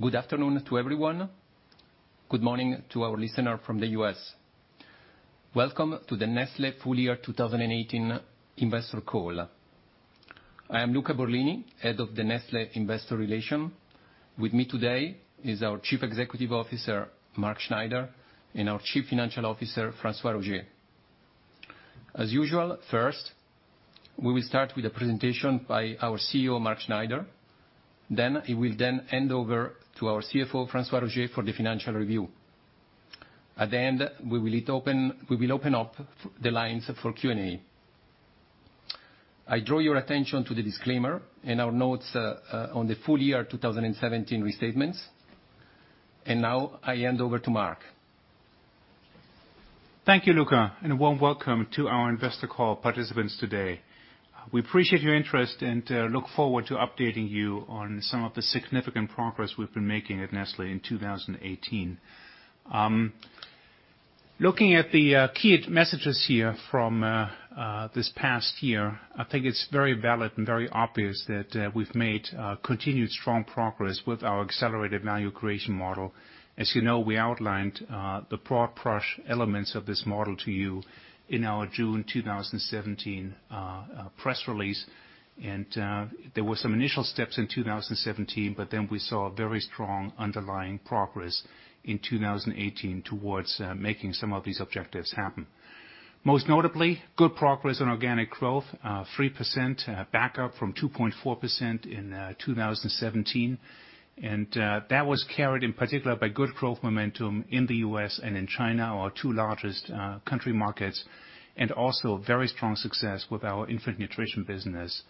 Good afternoon to everyone. Good morning to our listeners from the U.S. Welcome to the Nestlé full year 2018 investor call. I am Luca Borlini, Head of the Nestlé Investor Relations. With me today is our Chief Executive Officer, Mark Schneider, and our Chief Financial Officer, François-Xavier Roger. As usual, first, we will start with a presentation by our CEO, Mark Schneider. He will then hand over to our CFO, François-Xavier Roger, for the financial review. At the end, we will open up the lines for Q&A. I draw your attention to the disclaimer in our notes on the full year 2017 restatements. Now I hand over to Mark. Thank you, Luca, and a warm welcome to our investor call participants today. We appreciate your interest and look forward to updating you on some of the significant progress we've been making at Nestlé in 2018. Looking at the key messages here from this past year, I think it's very valid and very obvious that we've made continued strong progress with our accelerated value creation model. As you know, we outlined the broad-brush elements of this model to you in our June 2017 press release. There were some initial steps in 2017, we saw very strong underlying progress in 2018 towards making some of these objectives happen. Most notably, good progress on organic growth, 3% back up from 2.4% in 2017. That was carried in particular by good growth momentum in the U.S. and in China, our two largest country markets, and also very strong success with our infant nutrition business.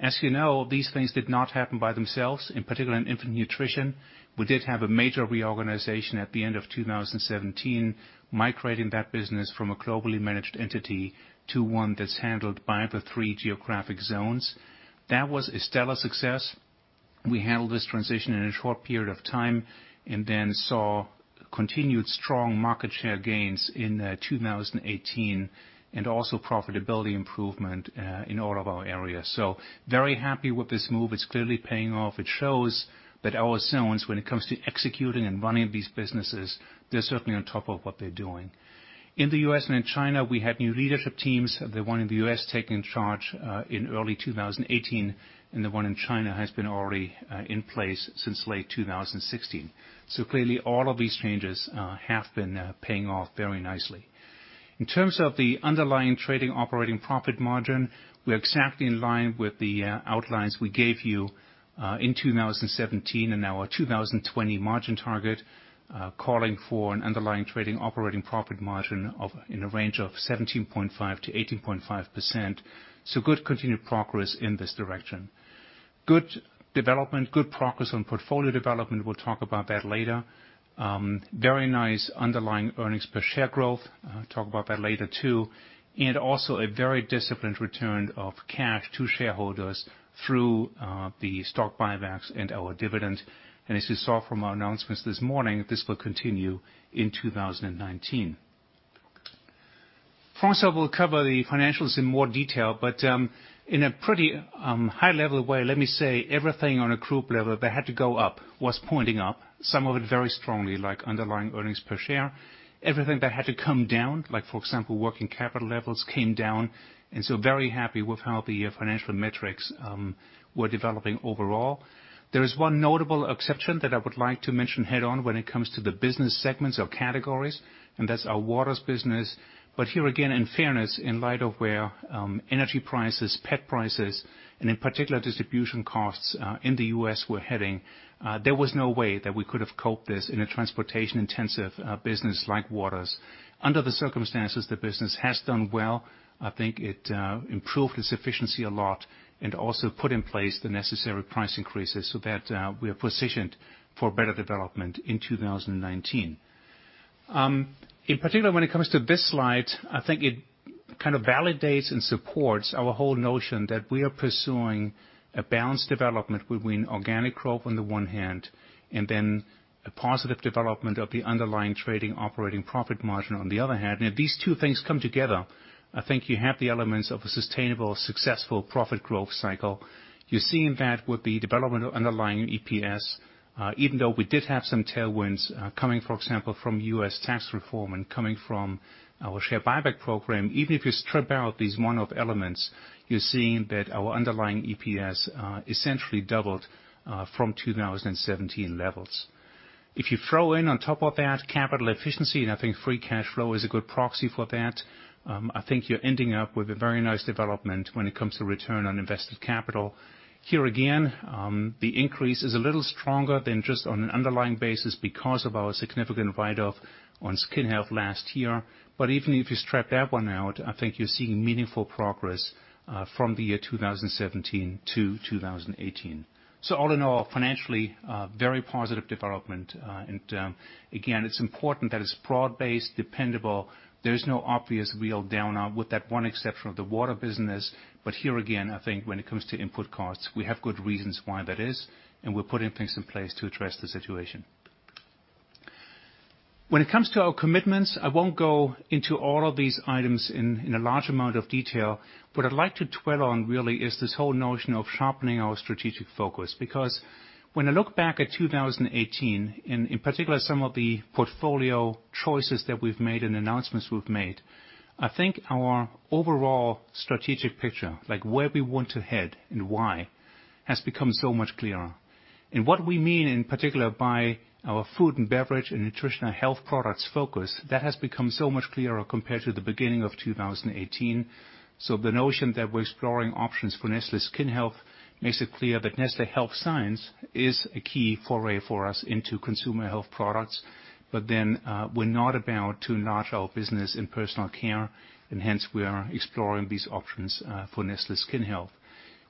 As you know, these things did not happen by themselves. In particular, in infant nutrition, we did have a major reorganization at the end of 2017, migrating that business from a globally managed entity to one that's handled by the three geographic zones. That was a stellar success. We handled this transition in a short period of time, saw continued strong market share gains in 2018, also profitability improvement in all of our areas. Very happy with this move. It's clearly paying off. It shows that our zones, when it comes to executing and running these businesses, they're certainly on top of what they're doing. In the U.S. and in China, we had new leadership teams, the one in the U.S. taking charge in early 2018, and the one in China has been already in place since late 2016. Clearly all of these changes have been paying off very nicely. In terms of the underlying trading operating profit margin, we are exactly in line with the outlines we gave you in 2017 and our 2020 margin target, calling for an underlying trading operating profit margin in a range of 17.5%-18.5%. Good continued progress in this direction. Good progress on portfolio development. We'll talk about that later. Very nice underlying earnings per share growth. I'll talk about that later, too. Also a very disciplined return of cash to shareholders through the stock buybacks and our dividends. As you saw from our announcements this morning, this will continue in 2019. François will cover the financials in more detail, in a pretty high-level way, let me say everything on a group level that had to go up was pointing up, some of it very strongly, like underlying earnings per share. Everything that had to come down, like for example, working capital levels, came down. Very happy with how the financial metrics were developing overall. There is one notable exception that I would like to mention head-on when it comes to the business segments or categories, and that's our waters business. Here again, in fairness, in light of where energy prices, PET prices, and in particular distribution costs in the U.S. were heading, there was no way that we could have coped this in a transportation-intensive business like waters. Under the circumstances, the business has done well. I think it improved its efficiency a lot and also put in place the necessary price increases so that we are positioned for better development in 2019. In particular, when it comes to this slide, I think it kind of validates and supports our whole notion that we are pursuing a balanced development between organic growth on the one hand, then a positive development of the underlying trading operating profit margin on the other hand. If these two things come together, I think you have the elements of a sustainable, successful profit growth cycle. You're seeing that with the development of underlying EPS, even though we did have some tailwinds coming, for example, from U.S. tax reform and coming from our share buyback program. Even if you strip out these one-off elements, you're seeing that our underlying EPS essentially doubled from 2017 levels. If you throw in on top of that capital efficiency, I think free cash flow is a good proxy for that, I think you're ending up with a very nice development when it comes to return on invested capital. Here again, the increase is a little stronger than just on an underlying basis because of our significant write-off on Skin Health last year. Even if you strip that one out, I think you're seeing meaningful progress from the year 2017 to 2018. All in all, financially, very positive development. Again, it's important that it's broad-based, dependable. There is no obvious wheel down with that one exception of the waters business. Here again, I think when it comes to input costs, we have good reasons why that is, and we're putting things in place to address the situation. When it comes to our commitments, I won't go into all of these items in a large amount of detail. What I'd like to dwell on really is this whole notion of sharpening our strategic focus. When I look back at 2018, in particular, some of the portfolio choices that we've made and announcements we've made, I think our overall strategic picture, like where we want to head and why, has become so much clearer. What we mean in particular by our food and beverage and nutritional health products focus, that has become so much clearer compared to the beginning of 2018. The notion that we're exploring options for Nestlé Skin Health makes it clear that Nestlé Health Science is a key foray for us into consumer health products. We're not about to niche our business in personal care, and hence we are exploring these options for Nestlé Skin Health.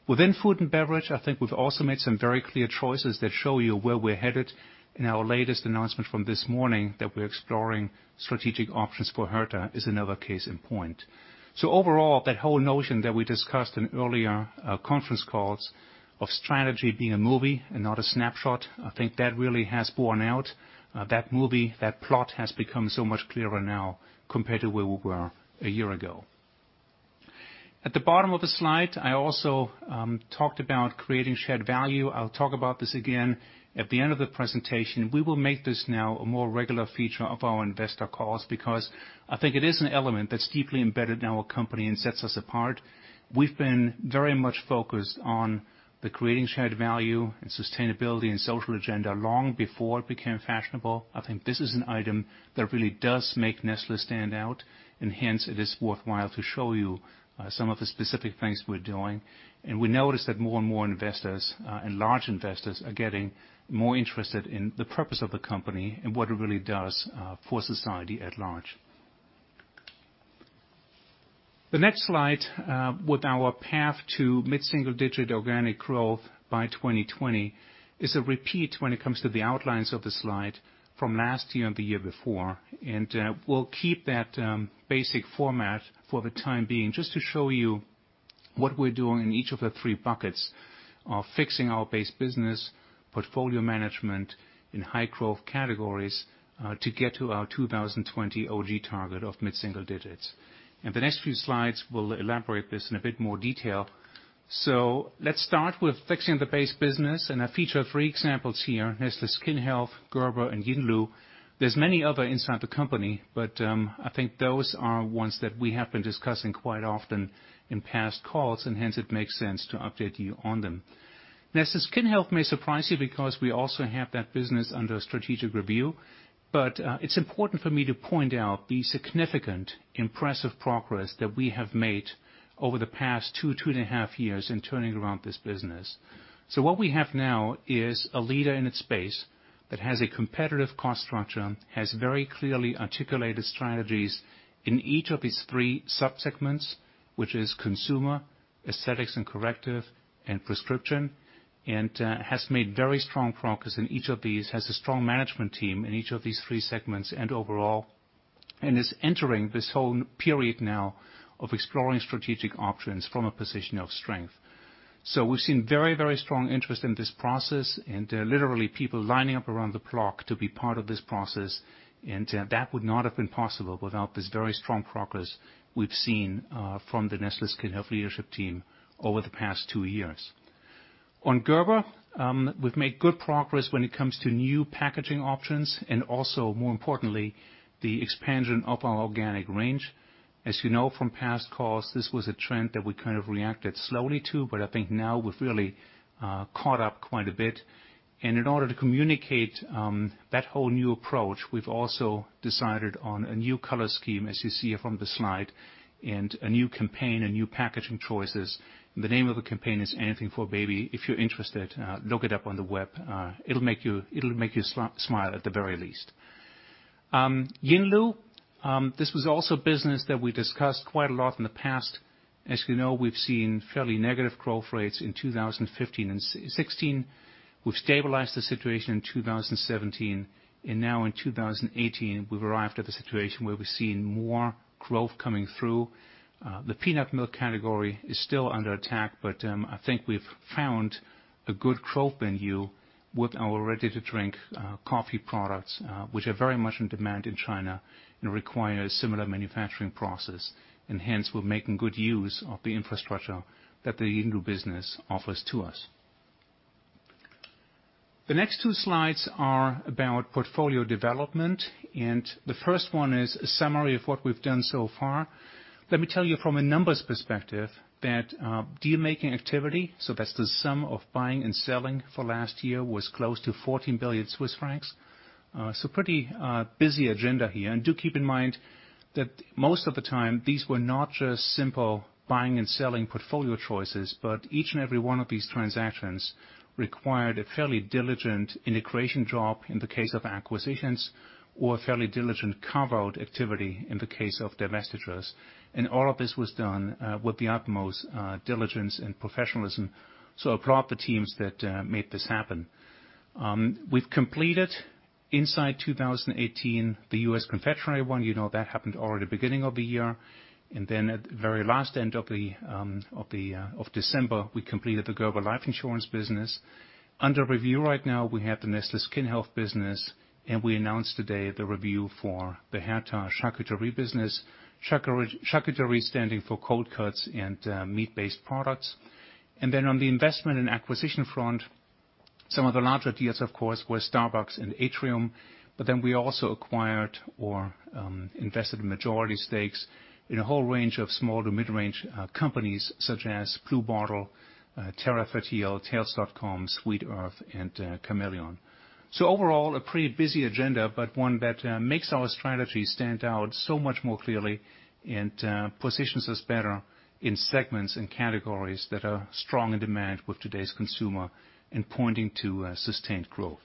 Within food and beverage, I think we've also made some very clear choices that show you where we're headed. In our latest announcement from this morning that we're exploring strategic options for Herta is another case in point. Overall, that whole notion that we discussed in earlier conference calls of strategy being a movie and not a snapshot, I think that really has borne out. That movie, that plot has become so much clearer now compared to where we were a year ago. At the bottom of the slide, I also talked about creating shared value. I'll talk about this again at the end of the presentation. We will make this now a more regular feature of our investor calls because I think it is an element that's deeply embedded in our company and sets us apart. We've been very much focused on the creating shared value and sustainability and social agenda long before it became fashionable. I think this is an item that really does make Nestlé stand out, and hence it is worthwhile to show you some of the specific things we're doing. We notice that more and more investors and large investors are getting more interested in the purpose of the company and what it really does for society at large. The next slide, with our path to mid-single digit organic growth by 2020, is a repeat when it comes to the outlines of the slide from last year and the year before. We'll keep that basic format for the time being, just to show you what we're doing in each of the three buckets of fixing our base business, portfolio management in high growth categories to get to our 2020 OG target of mid-single digits. In the next few slides, we'll elaborate this in a bit more detail. Let's start with fixing the base business, and I feature three examples here, Nestlé Skin Health, Gerber, and Yinlu. There's many other inside the company, but I think those are ones that we have been discussing quite often in past calls, and hence it makes sense to update you on them. Nestlé Skin Health may surprise you because we also have that business under strategic review. It's important for me to point out the significant impressive progress that we have made over the past two and a half years in turning around this business. What we have now is a leader in its space that has a competitive cost structure, has very clearly articulated strategies in each of its three subsegments, which is consumer, aesthetics and corrective, and prescription, and has made very strong progress in each of these, has a strong management team in each of these three segments and overall, and is entering this whole period now of exploring strategic options from a position of strength. We've seen very strong interest in this process, and literally people lining up around the block to be part of this process, and that would not have been possible without this very strong progress we've seen from the Nestlé Skin Health leadership team over the past two years. On Gerber, we've made good progress when it comes to new packaging options and also, more importantly, the expansion of our organic range. As you know from past calls, this was a trend that we kind of reacted slowly to, but I think now we've really caught up quite a bit. In order to communicate that whole new approach, we've also decided on a new color scheme, as you see from the slide, and a new campaign, and new packaging choices. The name of the campaign is Anything for Baby. If you're interested, look it up on the web. It'll make you smile at the very least. Yinlu, this was also a business that we discussed quite a lot in the past. As you know, we've seen fairly negative growth rates in 2015 and 2016. We've stabilized the situation in 2017, and now in 2018, we've arrived at a situation where we're seeing more growth coming through. The peanut milk category is still under attack, but I think we've found a good growth venue with our ready-to-drink coffee products, which are very much in demand in China and require a similar manufacturing process. Hence we're making good use of the infrastructure that the Yinlu business offers to us. The next two slides are about portfolio development, and the first one is a summary of what we've done so far. Let me tell you from a numbers perspective that deal-making activity, so that's the sum of buying and selling for last year, was close to 14 billion Swiss francs. Pretty busy agenda here. Do keep in mind that most of the time, these were not just simple buying and selling portfolio choices, but each and every one of these transactions required a fairly diligent integration job in the case of acquisitions, or a fairly diligent carve-out activity in the case of divestitures. All of this was done with the utmost diligence and professionalism. I applaud the teams that made this happen. We've completed in 2018, the U.S. confectionery one, you know that happened already beginning of the year. Then at the very end of December, we completed the global life insurance business. Under review right now, we have the Nestlé Skin Health business, and we announced today the review for the Herta charcuterie business, charcuterie standing for cold cuts and meat-based products. Then on the investment and acquisition front, some of the larger deals, of course, were Starbucks and Atrium, but then we also acquired or invested majority stakes in a whole range of small to mid-range companies such as Blue Bottle, Terrafertil, Tails.com, Sweet Earth, and Chameleon. Overall, a pretty busy agenda, but one that makes our strategy stand out so much more clearly and positions us better in segments and categories that are strong in demand with today's consumer and pointing to sustained growth.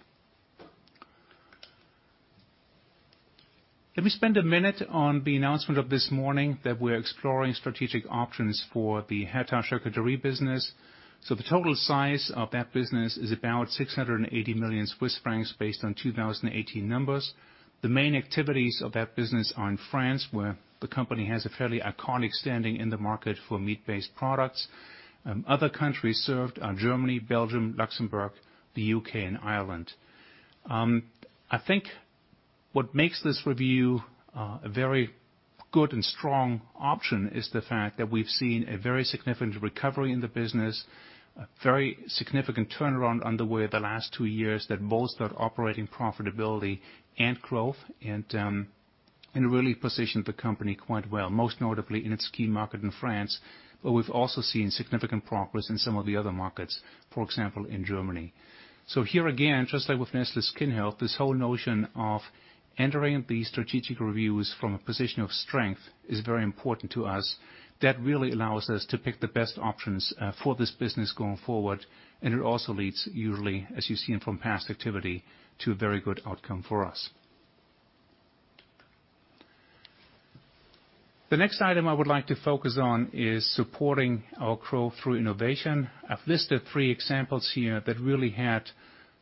Let me spend a minute on the announcement of this morning that we're exploring strategic options for the Herta charcuterie business. The total size of that business is about 680 million Swiss francs based on 2018 numbers. The main activities of that business are in France, where the company has a fairly iconic standing in the market for meat-based products. Other countries served are Germany, Belgium, Luxembourg, the U.K., and Ireland. What makes this review a very good and strong option is the fact that we've seen a very significant recovery in the business, very significant turnaround underway the last two years that bolstered operating profitability and growth, and really positioned the company quite well, most notably in its key market in France. We've also seen significant progress in some of the other markets, for example, in Germany. Here again, just like with Nestlé Skin Health, this whole notion of entering these strategic reviews from a position of strength is very important to us. That really allows us to pick the best options for this business going forward. It also leads usually, as you've seen from past activity, to a very good outcome for us. The next item I would like to focus on is supporting our growth through innovation. I've listed three examples here that really had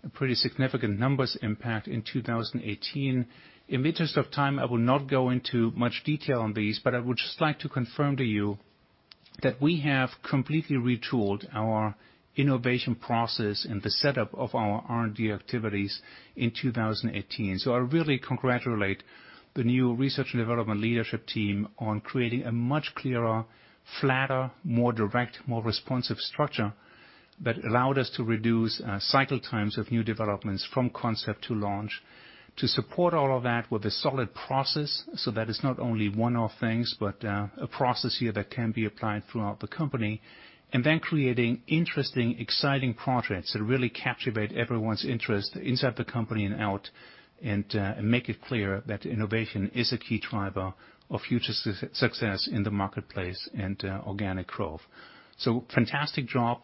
a pretty significant numbers impact in 2018. In the interest of time, I will not go into much detail on these, but I would just like to confirm to you that we have completely retooled our innovation process and the setup of our R&D activities in 2018. I really congratulate the new research and development leadership team on creating a much clearer, flatter, more direct, more responsive structure that allowed us to reduce cycle times of new developments from concept to launch, to support all of that with a solid process, so that it's not only one-off things, but a process here that can be applied throughout the company. Creating interesting, exciting projects that really captivate everyone's interest inside the company and out, and make it clear that innovation is a key driver of future success in the marketplace and organic growth. Fantastic job.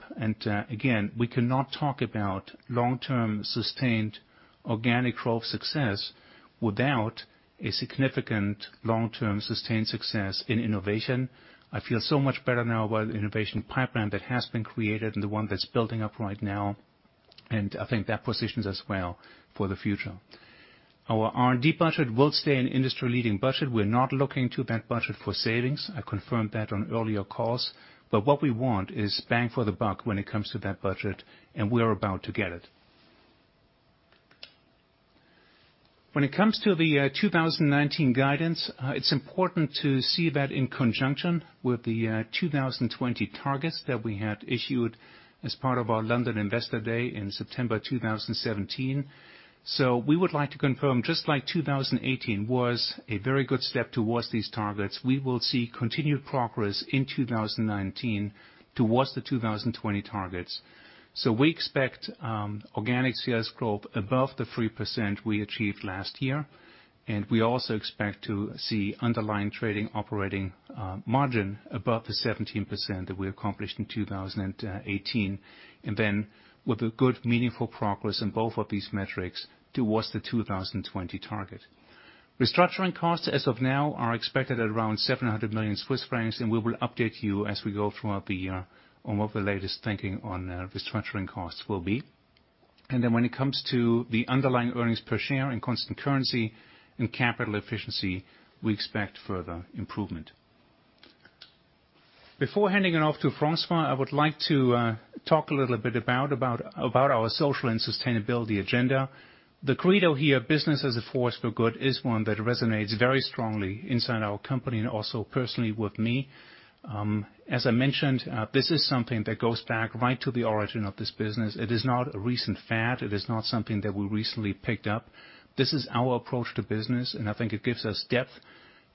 Again, we cannot talk about long-term, sustained organic growth success without a significant long-term sustained success in innovation. I feel so much better now about the innovation pipeline that has been created and the one that's building up right now. I think that positions us well for the future. Our R&D budget will stay an industry-leading budget. We're not looking to that budget for savings. I confirmed that on earlier calls. What we want is bang for the buck when it comes to that budget, and we're about to get it. When it comes to the 2019 guidance, it's important to see that in conjunction with the 2020 targets that we had issued as part of our London Investor Day in September 2017. We would like to confirm, just like 2018 was a very good step towards these targets, we will see continued progress in 2019 towards the 2020 targets. We expect organic sales growth above the 3% we achieved last year, we also expect to see underlying trading operating margin above the 17% that we accomplished in 2018. With a good, meaningful progress in both of these metrics towards the 2020 target. Restructuring costs as of now are expected at around 700 million Swiss francs, we will update you as we go throughout the year on what the latest thinking on restructuring costs will be. When it comes to the underlying earnings per share in constant currency and capital efficiency, we expect further improvement. Before handing it off to François, I would like to talk a little bit about our social and sustainability agenda. The credo here, business as a force for good, is one that resonates very strongly inside our company and also personally with me. As I mentioned, this is something that goes back right to the origin of this business. It is not a recent fad. It is not something that we recently picked up. This is our approach to business, and I think it gives us depth.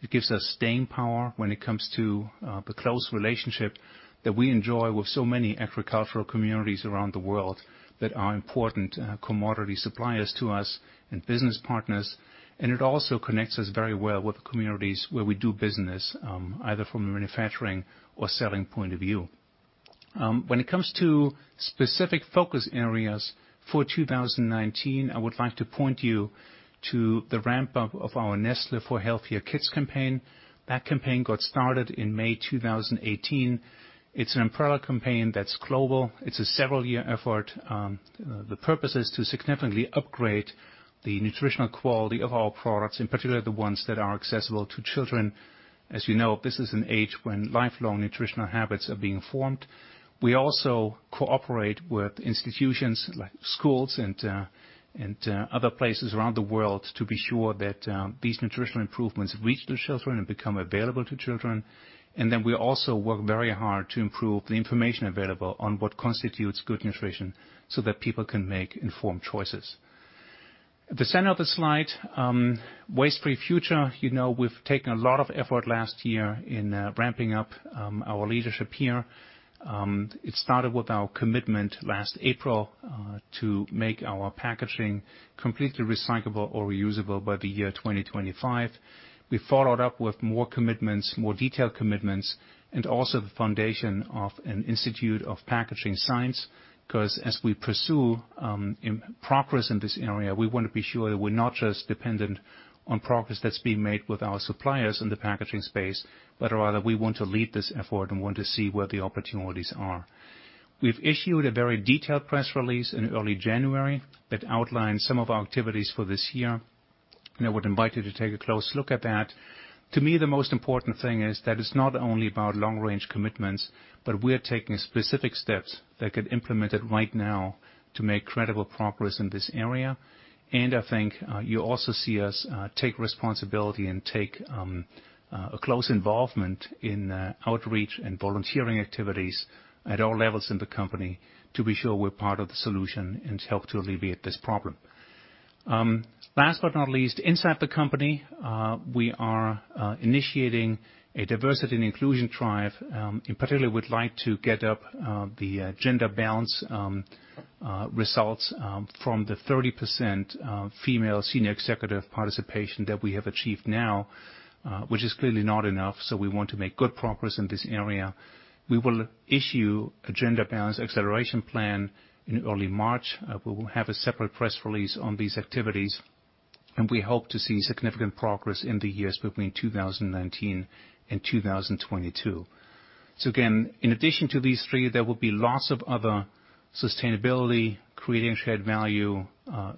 It gives us staying power when it comes to the close relationship that we enjoy with so many agricultural communities around the world that are important commodity suppliers to us and business partners. It also connects us very well with the communities where we do business, either from a manufacturing or selling point of view. When it comes to specific focus areas for 2019, I would like to point you to the ramp-up of our Nestlé for Healthier Kids campaign. That campaign got started in May 2018. It's an umbrella campaign that's global. It's a several-year effort. The purpose is to significantly upgrade the nutritional quality of our products, in particular the ones that are accessible to children. As you know, this is an age when lifelong nutritional habits are being formed. We also cooperate with institutions like schools and other places around the world to be sure that these nutritional improvements reach the children and become available to children. We also work very hard to improve the information available on what constitutes good nutrition so that people can make informed choices. At the center of the slide, Waste-Free Future. You know we've taken a lot of effort last year in ramping up our leadership here. It started with our commitment last April to make our packaging completely recyclable or reusable by the year 2025. We followed up with more commitments, more detailed commitments, and also the foundation of an Institute of Packaging Sciences. Because as we pursue progress in this area, we want to be sure that we're not just dependent on progress that's being made with our suppliers in the packaging space, but rather we want to lead this effort and want to see where the opportunities are. We've issued a very detailed press release in early January that outlines some of our activities for this year, and I would invite you to take a close look at that. To me, the most important thing is that it's not only about long-range commitments, but we're taking specific steps that get implemented right now to make credible progress in this area. I think you also see us take responsibility and take a close involvement in outreach and volunteering activities at all levels in the company to be sure we're part of the solution and help to alleviate this problem. Last but not least, inside the company, we are initiating a diversity and inclusion drive. In particular, we'd like to get up the gender balance results from the 30% female senior executive participation that we have achieved now, which is clearly not enough, so we want to make good progress in this area. We will issue a gender balance acceleration plan in early March. We will have a separate press release on these activities, and we hope to see significant progress in the years between 2019 and 2022. Again, in addition to these three, there will be lots of other sustainability, creating shared value,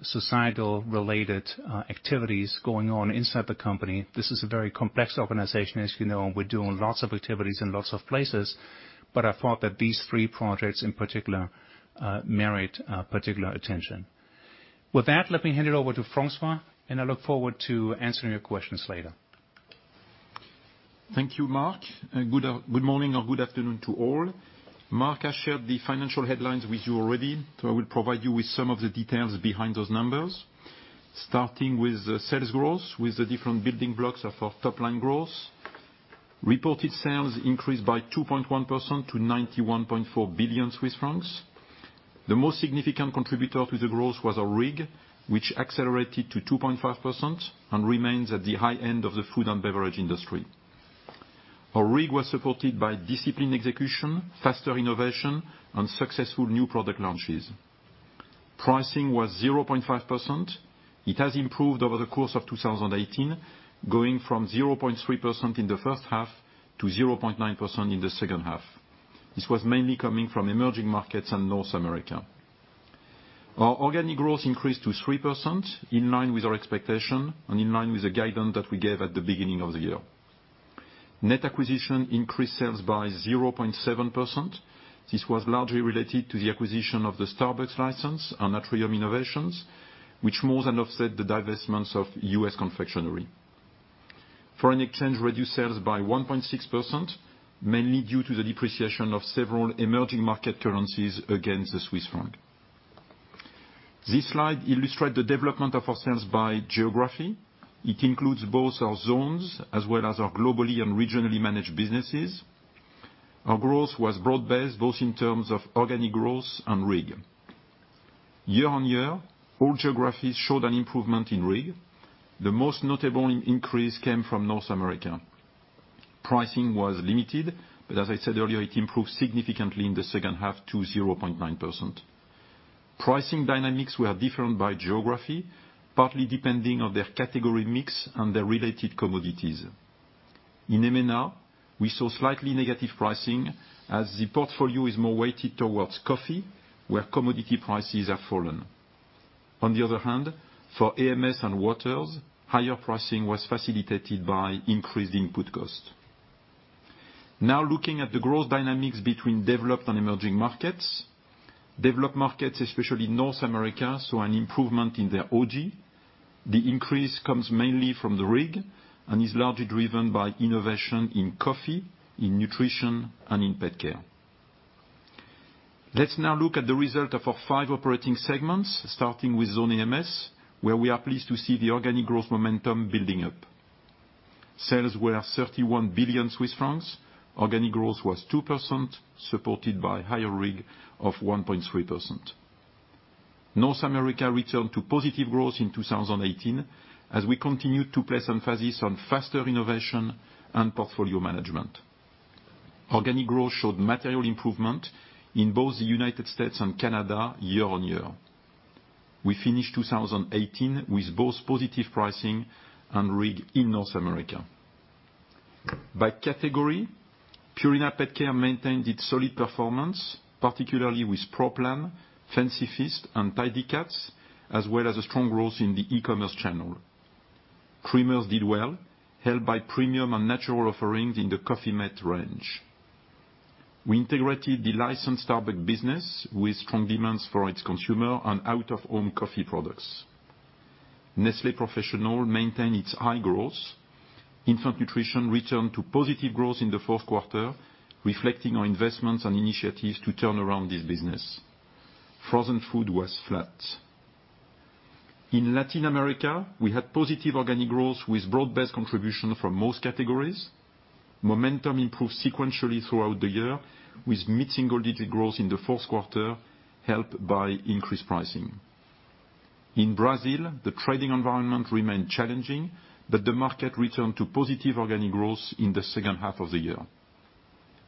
societal-related activities going on inside the company. This is a very complex organization, as you know. We're doing lots of activities in lots of places. I thought that these three projects, in particular, merit particular attention. With that, let me hand it over to François, and I look forward to answering your questions later. Thank you, Mark, and good morning or good afternoon to all. Mark has shared the financial headlines with you already, so I will provide you with some of the details behind those numbers. Starting with sales growth with the different building blocks of our top-line growth. Reported sales increased by 2.1% to 91.4 billion Swiss francs. The most significant contributor to the growth was RIG, which accelerated to 2.5% and remains at the high end of the food and beverage industry. Our RIG was supported by disciplined execution, faster innovation, and successful new product launches. Pricing was 0.5%. It has improved over the course of 2018, going from 0.3% in the first half to 0.9% in the second half. This was mainly coming from emerging markets and North America. Our organic growth increased to 3%, in line with our expectation and in line with the guidance that we gave at the beginning of the year. Net acquisition increased sales by 0.7%. This was largely related to the acquisition of the Starbucks license and Atrium Innovations, which more than offset the divestments of US confectionery. Foreign exchange reduced sales by 1.6%, mainly due to the depreciation of several emerging market currencies against the CHF. This slide illustrates the development of our sales by geography. It includes both our zones as well as our globally and regionally managed businesses. Our growth was broad-based, both in terms of organic growth and RIG. Year-on-year, all geographies showed an improvement in RIG. The most notable increase came from North America. Pricing was limited, but as I said earlier, it improved significantly in the second half to 0.9%. Pricing dynamics were different by geography, partly depending on their category mix and their related commodities. In MENA, we saw slightly negative pricing as the portfolio is more weighted towards coffee, where commodity prices have fallen. On the other hand, for AMS and Waters, higher pricing was facilitated by increased input cost. Looking at the growth dynamics between developed and emerging markets. Developed markets, especially North America, saw an improvement in their OG. The increase comes mainly from the RIG and is largely driven by innovation in coffee, in nutrition, and in Purina PetCare. Let's now look at the result of our five operating segments, starting with Zone AMS, where we are pleased to see the organic growth momentum building up. Sales were 31 billion Swiss francs. Organic growth was 2%, supported by higher RIG of 1.3%. North America returned to positive growth in 2018, as we continued to place emphasis on faster innovation and portfolio management. Organic growth showed material improvement in both the U.S. and Canada year-on-year. We finished 2018 with both positive pricing and RIG in North America. By category, Purina PetCare maintained its solid performance, particularly with Pro Plan, Fancy Feast, and Tidy Cats, as well as a strong growth in the e-commerce channel. Creamers did well, helped by premium and natural offerings in the Coffee-mate range. We integrated the licensed Starbucks business with strong demands for its consumer and out-of-home coffee products. Nestlé Professional maintained its high growth. Infant Nutrition returned to positive growth in the fourth quarter, reflecting our investments and initiatives to turn around this business. Frozen food was flat. In Latin America, we had positive organic growth with broad-based contribution from most categories. Momentum improved sequentially throughout the year with mid-single digit growth in the fourth quarter, helped by increased pricing. In Brazil, the trading environment remained challenging, but the market returned to positive organic growth in the second half of the year.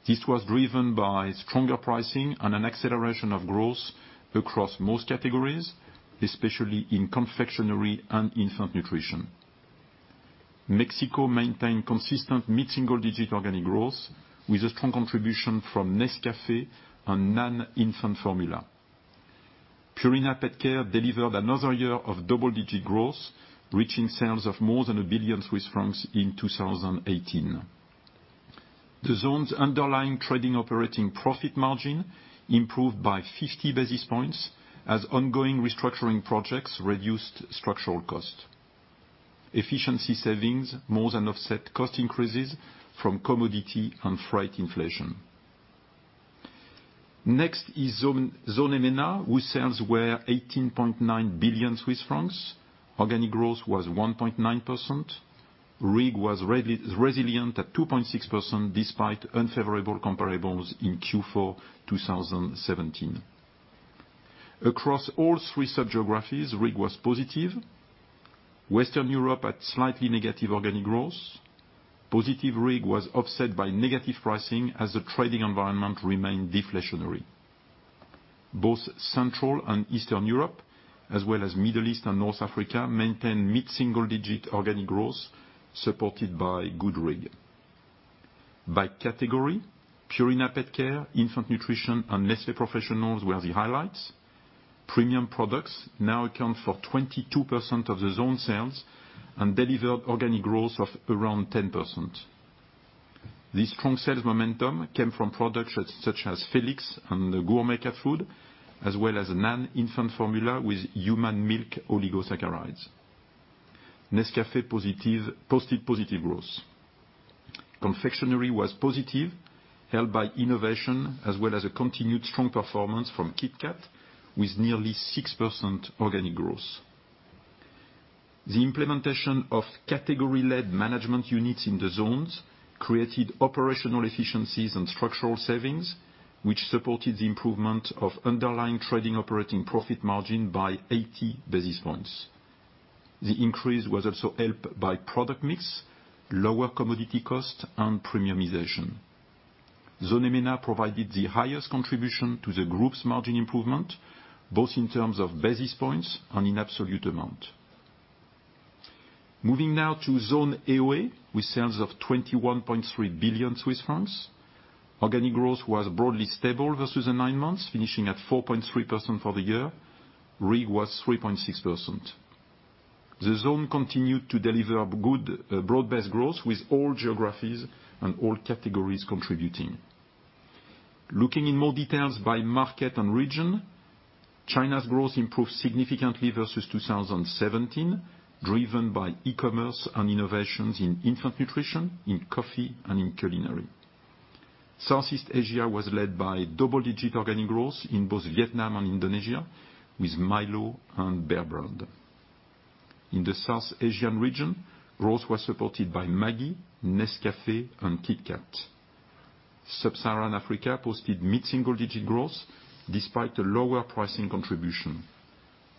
This was driven by stronger pricing and an acceleration of growth across most categories, especially in confectionery and Infant Nutrition. Mexico maintained consistent mid-single digit organic growth, with a strong contribution from Nescafé and non-infant formula. Purina PetCare delivered another year of double-digit growth, reaching sales of more than 1 billion Swiss francs in 2018. The zone's underlying trading operating profit margin improved by 50 basis points, as ongoing restructuring projects reduced structural cost. Efficiency savings more than offset cost increases from commodity and freight inflation. Next is Zone EMENA, whose sales were 18.9 billion Swiss francs. Organic growth was 1.9%. RIG was resilient at 2.6%, despite unfavorable comparables in Q4 2017. Across all three sub-geographies, RIG was positive. Western Europe had slightly negative organic growth. Positive RIG was offset by negative pricing as the trading environment remained deflationary. Both Central and Eastern Europe, as well as Middle East and North Africa, maintained mid-single digit organic growth, supported by good RIG. By category, Purina PetCare, Infant Nutrition, and Nestlé Professional were the highlights. Premium products now account for 22% of the zone sales and deliver organic growth of around 10%. This strong sales momentum came from products such as Felix and the Gourmet cat food, as well as a non-infant formula with human milk oligosaccharides. Nescafé posted positive growth. Confectionery was positive, helped by innovation as well as a continued strong performance from KitKat, with nearly 6% organic growth. The implementation of category-led management units in the zones created operational efficiencies and structural savings, which supported the improvement of underlying trading operating profit margin by 80 basis points. The increase was also helped by product mix, lower commodity cost, and premiumization. Zone EMENA provided the highest contribution to the group's margin improvement, both in terms of basis points and in absolute amount. Moving now to Zone AOA, with sales of 21.3 billion Swiss francs. Organic growth was broadly stable versus the nine months, finishing at 4.3% for the year. RIG was 3.6%. The zone continued to deliver good broad-based growth with all geographies and all categories contributing. Looking in more details by market and region, China's growth improved significantly versus 2017, driven by e-commerce and innovations in infant nutrition, in coffee, and in culinary. Southeast Asia was led by double-digit organic growth in both Vietnam and Indonesia with Milo and Bear Brand. In the South Asian region, growth was supported by Maggi, Nescafé, and KitKat. sub-Saharan Africa posted mid-single digit growth despite a lower pricing contribution.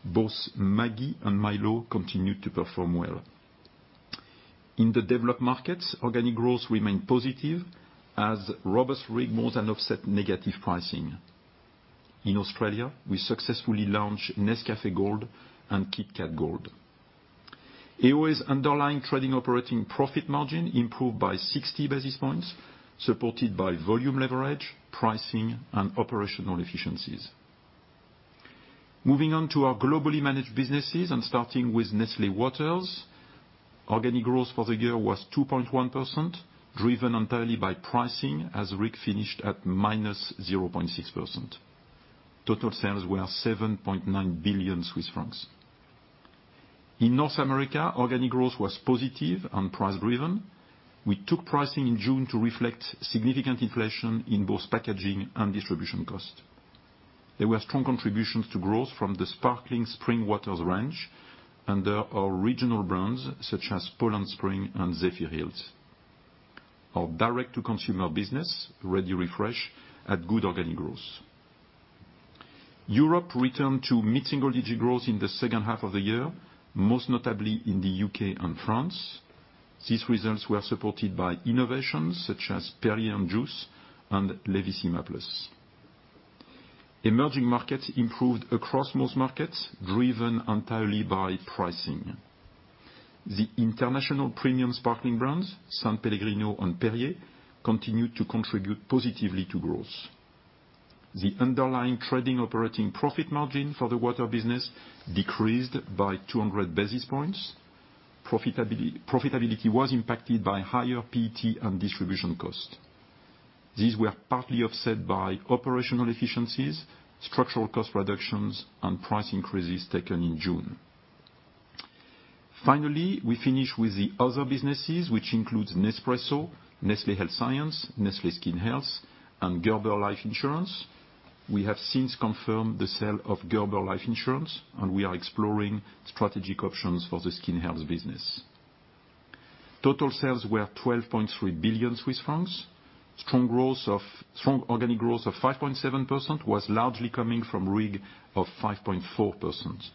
Both Maggi and Milo continued to perform well. In the developed markets, organic growth remained positive as robust RIG more than offset negative pricing. In Australia, we successfully launched Nescafé Gold and KitKat Gold. AOA's underlying trading operating profit margin improved by 60 basis points, supported by volume leverage, pricing, and operational efficiencies. Moving on to our globally managed businesses and starting with Nestlé Waters. Organic growth for the year was 2.1%, driven entirely by pricing as RIG finished at -0.6%. Total sales were 7.9 billion Swiss francs. In North America, organic growth was positive and price driven. We took pricing in June to reflect significant inflation in both packaging and distribution cost. There were strong contributions to growth from the Sparkling spring waters range under our regional brands such as Poland Spring and Zephyrhills. Our direct-to-consumer business, ReadyRefresh, had good organic growth. Europe returned to mid-single-digit growth in the second half of the year, most notably in the U.K. and France. These results were supported by innovations such as Perrier & Juice and Levissima. Emerging markets improved across most markets, driven entirely by pricing. The international premium sparkling brands, S.Pellegrino and Perrier, continued to contribute positively to growth. The underlying trading operating profit margin for the water business decreased by 200 basis points. Profitability was impacted by higher PET and distribution costs. These were partly offset by operational efficiencies, structural cost reductions, and price increases taken in June. Finally, we finish with the other businesses, which includes Nespresso, Nestlé Health Science, Nestlé Skin Health, and Gerber Life Insurance. We have since confirmed the sale of Gerber Life Insurance, and we are exploring strategic options for the Skin Health business. Total sales were 12.3 billion Swiss francs. Strong organic growth of 5.7% was largely coming from RIG of 5.4%.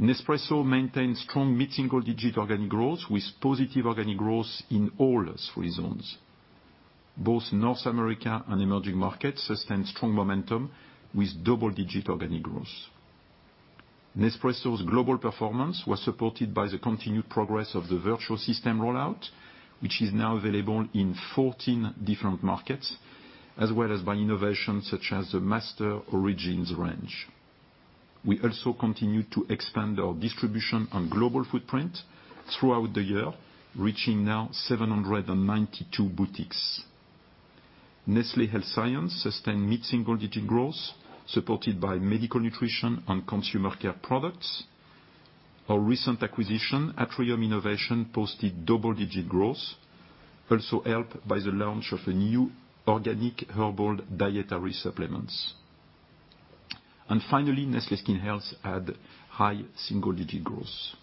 Nespresso maintains strong mid-single-digit organic growth with positive organic growth in all three zones. Both North America and emerging markets sustained strong momentum with double-digit organic growth. Nespresso's global performance was supported by the continued progress of the Vertuo system rollout, which is now available in 14 different markets, as well as by innovations such as the Master Origins range. We also continued to expand our distribution and global footprint throughout the year, reaching now 792 boutiques. Nestlé Health Science sustained mid-single-digit growth supported by medical nutrition and consumer care products. Our recent acquisition, Atrium Innovations, posted double-digit growth, also helped by the launch of the new organic herbal dietary supplements. Finally, Nestlé Skin Health had high single-digit growth.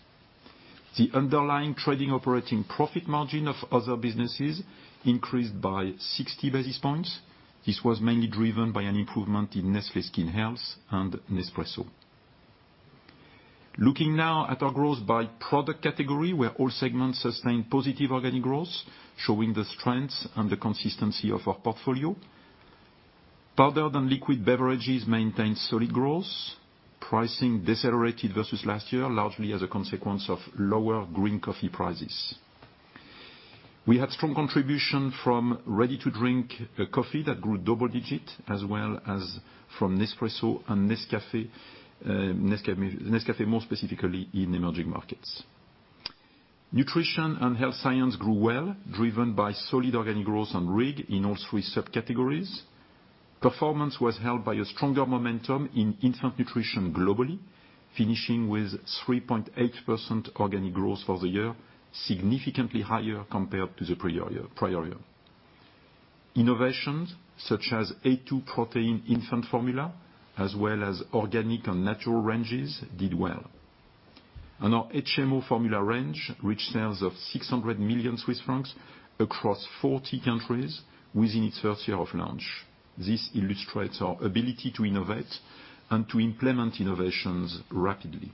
The underlying trading operating profit margin of other businesses increased by 60 basis points. This was mainly driven by an improvement in Nestlé Skin Health and Nespresso. Looking now at our growth by product category, where all segments sustained positive organic growth, showing the strength and the consistency of our portfolio. Powder and liquid beverages maintained solid growth. Pricing decelerated versus last year, largely as a consequence of lower green coffee prices. We had strong contribution from ready-to-drink coffee that grew double digits, as well as from Nespresso and Nescafé, more specifically in emerging markets. Nutrition and health science grew well, driven by solid organic growth and RIG in all three subcategories. Performance was held by a stronger momentum in infant nutrition globally, finishing with 3.8% organic growth for the year, significantly higher compared to the prior year. Innovations such as A2 protein infant formula, as well as organic and natural ranges, did well. Our HMO formula range reached sales of 600 million Swiss francs across 40 countries within its first year of launch. This illustrates our ability to innovate and to implement innovations rapidly.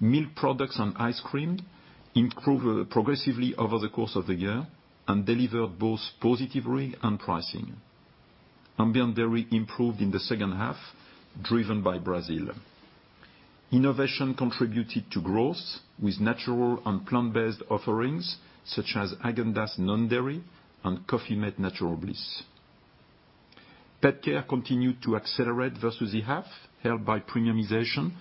Milk products and ice cream improved progressively over the course of the year and delivered both positive RIG and pricing. Ambient dairy improved in the second half, driven by Brazil. Innovation contributed to growth with natural and plant-based offerings such as Häagen-Dazs Non-Dairy and Coffee mate natural bliss. Pet care continued to accelerate versus the half, helped by premiumization,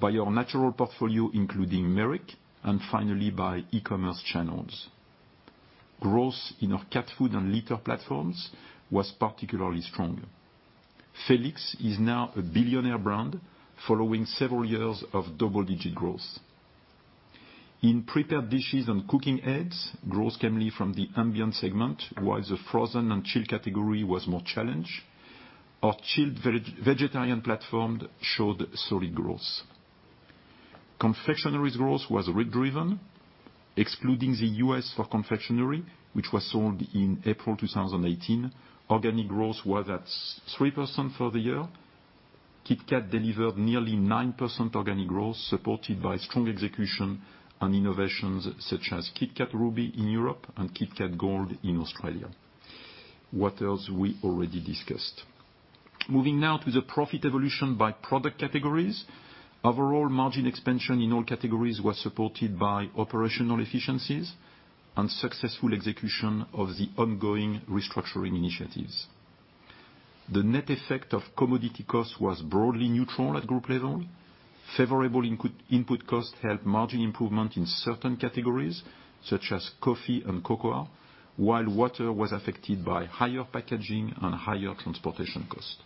by our natural portfolio, including Merrick, and finally, by e-commerce channels. Growth in our cat food and litter platforms was particularly strong. Felix is now a billionaire brand following several years of double-digit growth. In prepared dishes and cooking aids, growth came from the ambient segment, while the frozen and chilled category was more challenged. Our chilled vegetarian platform showed solid growth. Confectionery growth was RIG driven, excluding the U.S. for confectionery, which was sold in April 2018. Organic growth was at 3% for the year. KitKat delivered nearly 9% organic growth, supported by strong execution and innovations such as KitKat Ruby in Europe and KitKat Gold in Australia. Waters we already discussed. Moving now to the profit evolution by product categories. Overall margin expansion in all categories was supported by operational efficiencies and successful execution of the ongoing restructuring initiatives. The net effect of commodity costs was broadly neutral at group level. Favorable input cost helped margin improvement in certain categories, such as coffee and cocoa, while water was affected by higher packaging and higher transportation costs.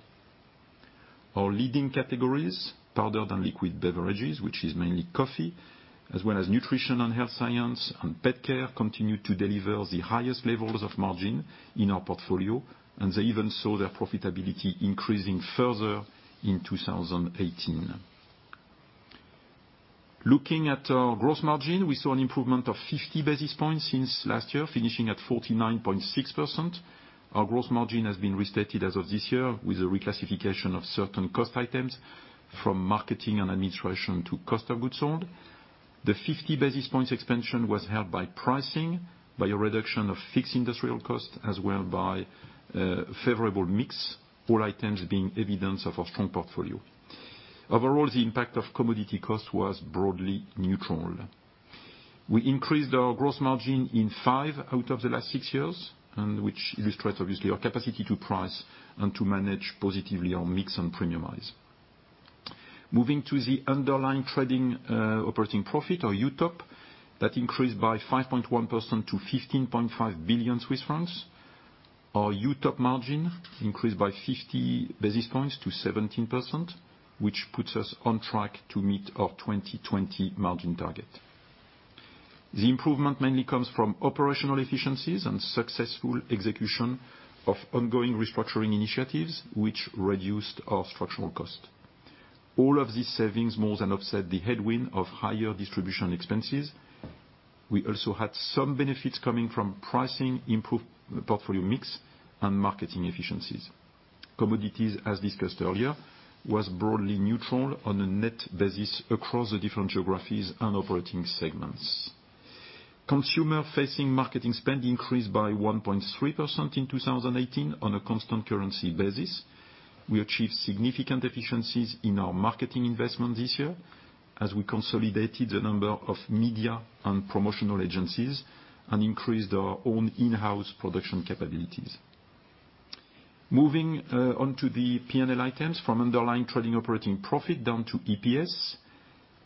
Our leading categories, powder and liquid beverages, which is mainly coffee, as well as nutrition and health science and pet care, continue to deliver the highest levels of margin in our portfolio, and they even saw their profitability increasing further in 2018. Looking at our gross margin, we saw an improvement of 50 basis points since last year, finishing at 49.6%. Our gross margin has been restated as of this year with the reclassification of certain cost items from marketing and administration to cost of goods sold. The 50 basis points expansion was helped by pricing, by a reduction of fixed industrial costs, as well by favorable mix, all items being evidence of a strong portfolio. Overall, the impact of commodity costs was broadly neutral. We increased our gross margin in five out of the last six years, and which illustrates obviously our capacity to price and to manage positively our mix and premiumize. Moving to the underlying trading operating profit, or UTOP, that increased by 5.1% to 15.5 billion Swiss francs. Our UTOP margin increased by 50 basis points to 17%, which puts us on track to meet our 2020 margin target. The improvement mainly comes from operational efficiencies and successful execution of ongoing restructuring initiatives, which reduced our structural cost. All of these savings more than offset the headwind of higher distribution expenses. We also had some benefits coming from pricing, improved portfolio mix, and marketing efficiencies. Commodities, as discussed earlier, was broadly neutral on a net basis across the different geographies and operating segments. Consumer-facing marketing spend increased by 1.3% in 2018 on a constant currency basis. We achieved significant efficiencies in our marketing investment this year, as we consolidated a number of media and promotional agencies and increased our own in-house production capabilities. Moving on to the P&L items from underlying trading operating profit down to EPS.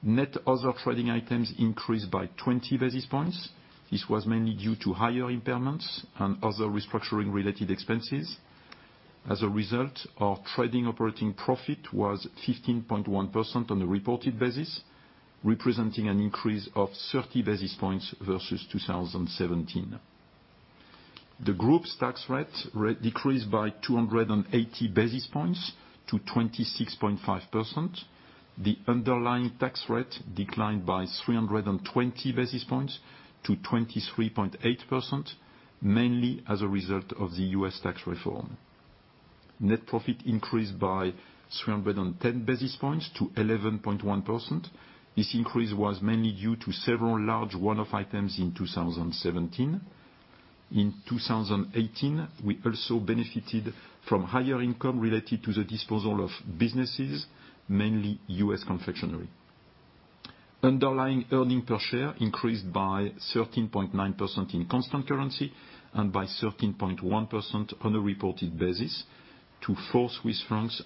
Net other trading items increased by 20 basis points. This was mainly due to higher impairments and other restructuring-related expenses. As a result, our trading operating profit was 15.1% on a reported basis, representing an increase of 30 basis points versus 2017. The group's tax rate decreased by 280 basis points to 26.5%. The underlying tax rate declined by 320 basis points to 23.8%, mainly as a result of the U.S. tax reform. Net profit increased by 310 basis points to 11.1%. This increase was mainly due to several large one-off items in 2017. In 2018, we also benefited from higher income related to the disposal of businesses, mainly U.S. confectionery. Underlying earning per share increased by 13.9% in constant currency and by 13.1% on a reported basis to 4.02 Swiss francs.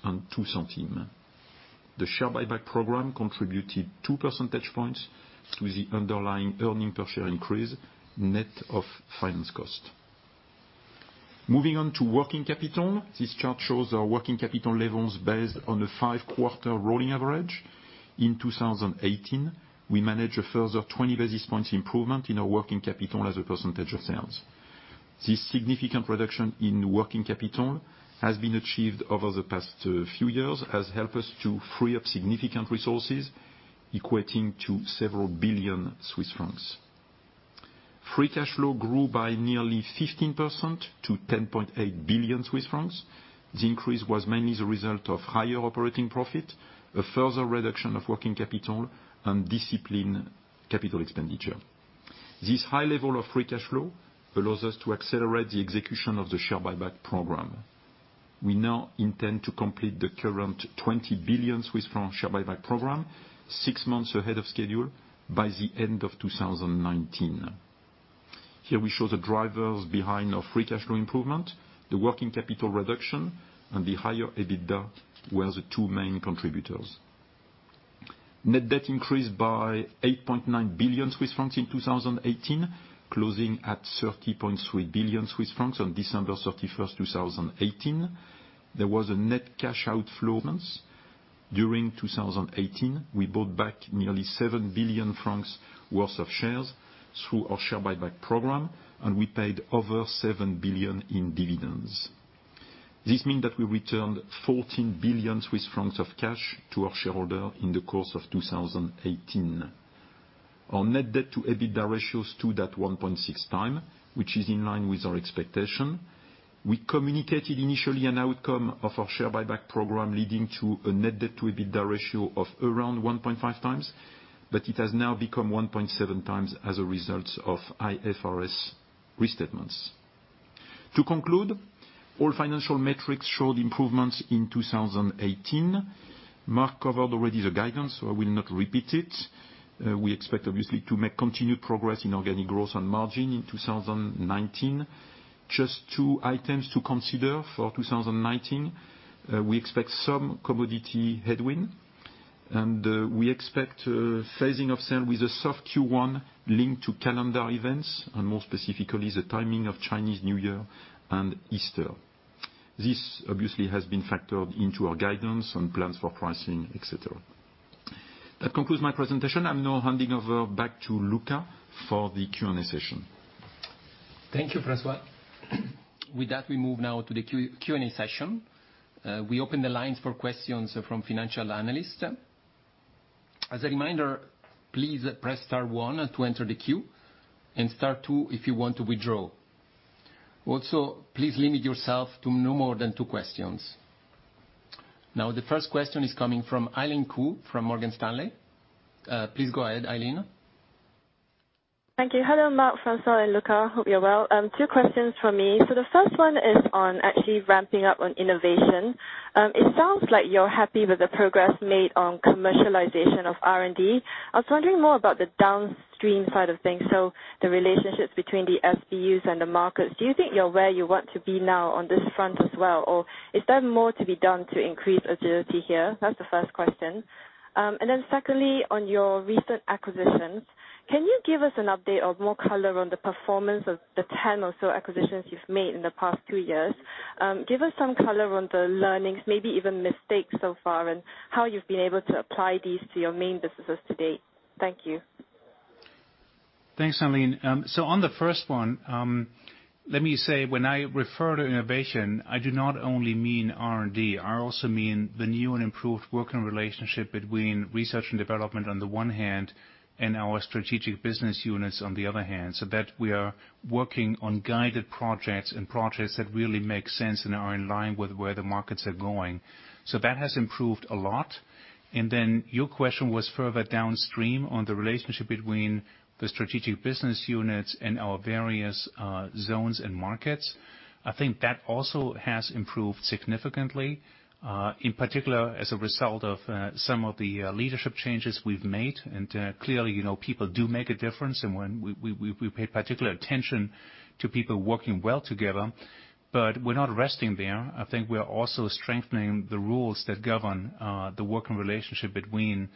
The share buyback program contributed two percentage points to the underlying earning per share increase, net of finance cost. Moving on to working capital. This chart shows our working capital levels based on the five-quarter rolling average. In 2018, we managed a further 20 basis points improvement in our working capital as a percentage of sales. This significant reduction in working capital has been achieved over the past few years, has helped us to free up significant resources equating to several billion CHF. Free cash flow grew by nearly 15% to 10.8 billion Swiss francs. The increase was mainly the result of higher operating profit, a further reduction of working capital, and disciplined capital expenditure. This high level of free cash flow allows us to accelerate the execution of the share buyback program. We now intend to complete the current 20 billion Swiss francs share buyback program six months ahead of schedule by the end of 2019. Here we show the drivers behind our free cash flow improvement, the working capital reduction and the higher EBITDA were the two main contributors. Net debt increased by 8.9 billion Swiss francs in 2018, closing at 30.3 billion Swiss francs on December 31st, 2018. There was a net cash outflow once during 2018. We bought back nearly 7 billion francs worth of shares through our share buyback program, and we paid over 7 billion in dividends. This means that we returned 14 billion Swiss francs of cash to our shareholder in the course of 2018. Our net debt to EBITDA ratio stood at 1.6 times, which is in line with our expectation. We communicated initially an outcome of our share buyback program leading to a net debt to EBITDA ratio of around 1.5 times, but it has now become 1.7 times as a result of IFRS restatements. To conclude, all financial metrics showed improvements in 2018. Mark covered already the guidance. I will not repeat it. We expect obviously to make continued progress in organic growth and margin in 2019. Just two items to consider for 2019. We expect some commodity headwind. We expect phasing of sale with a soft Q1 linked to calendar events and more specifically, the timing of Chinese New Year and Easter. This obviously has been factored into our guidance and plans for pricing, et cetera. That concludes my presentation. I'm now handing over back to Luca for the Q&A session. Thank you, François. With that, we move now to the Q&A session. We open the lines for questions from financial analysts. As a reminder, please press star one to enter the queue, and star two if you want to withdraw. Also, please limit yourself to no more than two questions. The first question is coming from Eileen Khoo, from Morgan Stanley. Please go ahead, Eileen. Thank you. Hello, Mark, François, and Luca. Hope you're well. Two questions from me. The first one is on actually ramping up on innovation. It sounds like you're happy with the progress made on commercialization of R&D. I was wondering more about the downstream side of things, so the relationships between the SBUs and the markets. Do you think you're where you want to be now on this front as well, or is there more to be done to increase agility here? That's the first question. Secondly, on your recent acquisitions, can you give us an update or more color on the performance of the 10 or so acquisitions you've made in the past two years? Give us some color on the learnings, maybe even mistakes so far, and how you've been able to apply these to your main businesses to date. Thank you. Thanks, Eileen. On the first one, let me say, when I refer to innovation, I do not only mean R&D. I also mean the new and improved working relationship between research and development on the one hand, and our Strategic Business Units on the other hand, that we are working on guided projects, and projects that really make sense and are in line with where the markets are going. That has improved a lot. Your question was further downstream on the relationship between the Strategic Business Units and our various zones and markets. I think that also has improved significantly, in particular as a result of some of the leadership changes we've made. Clearly, people do make a difference and we pay particular attention to people working well together. We're not resting there. I think we are also strengthening the rules that govern the working relationship between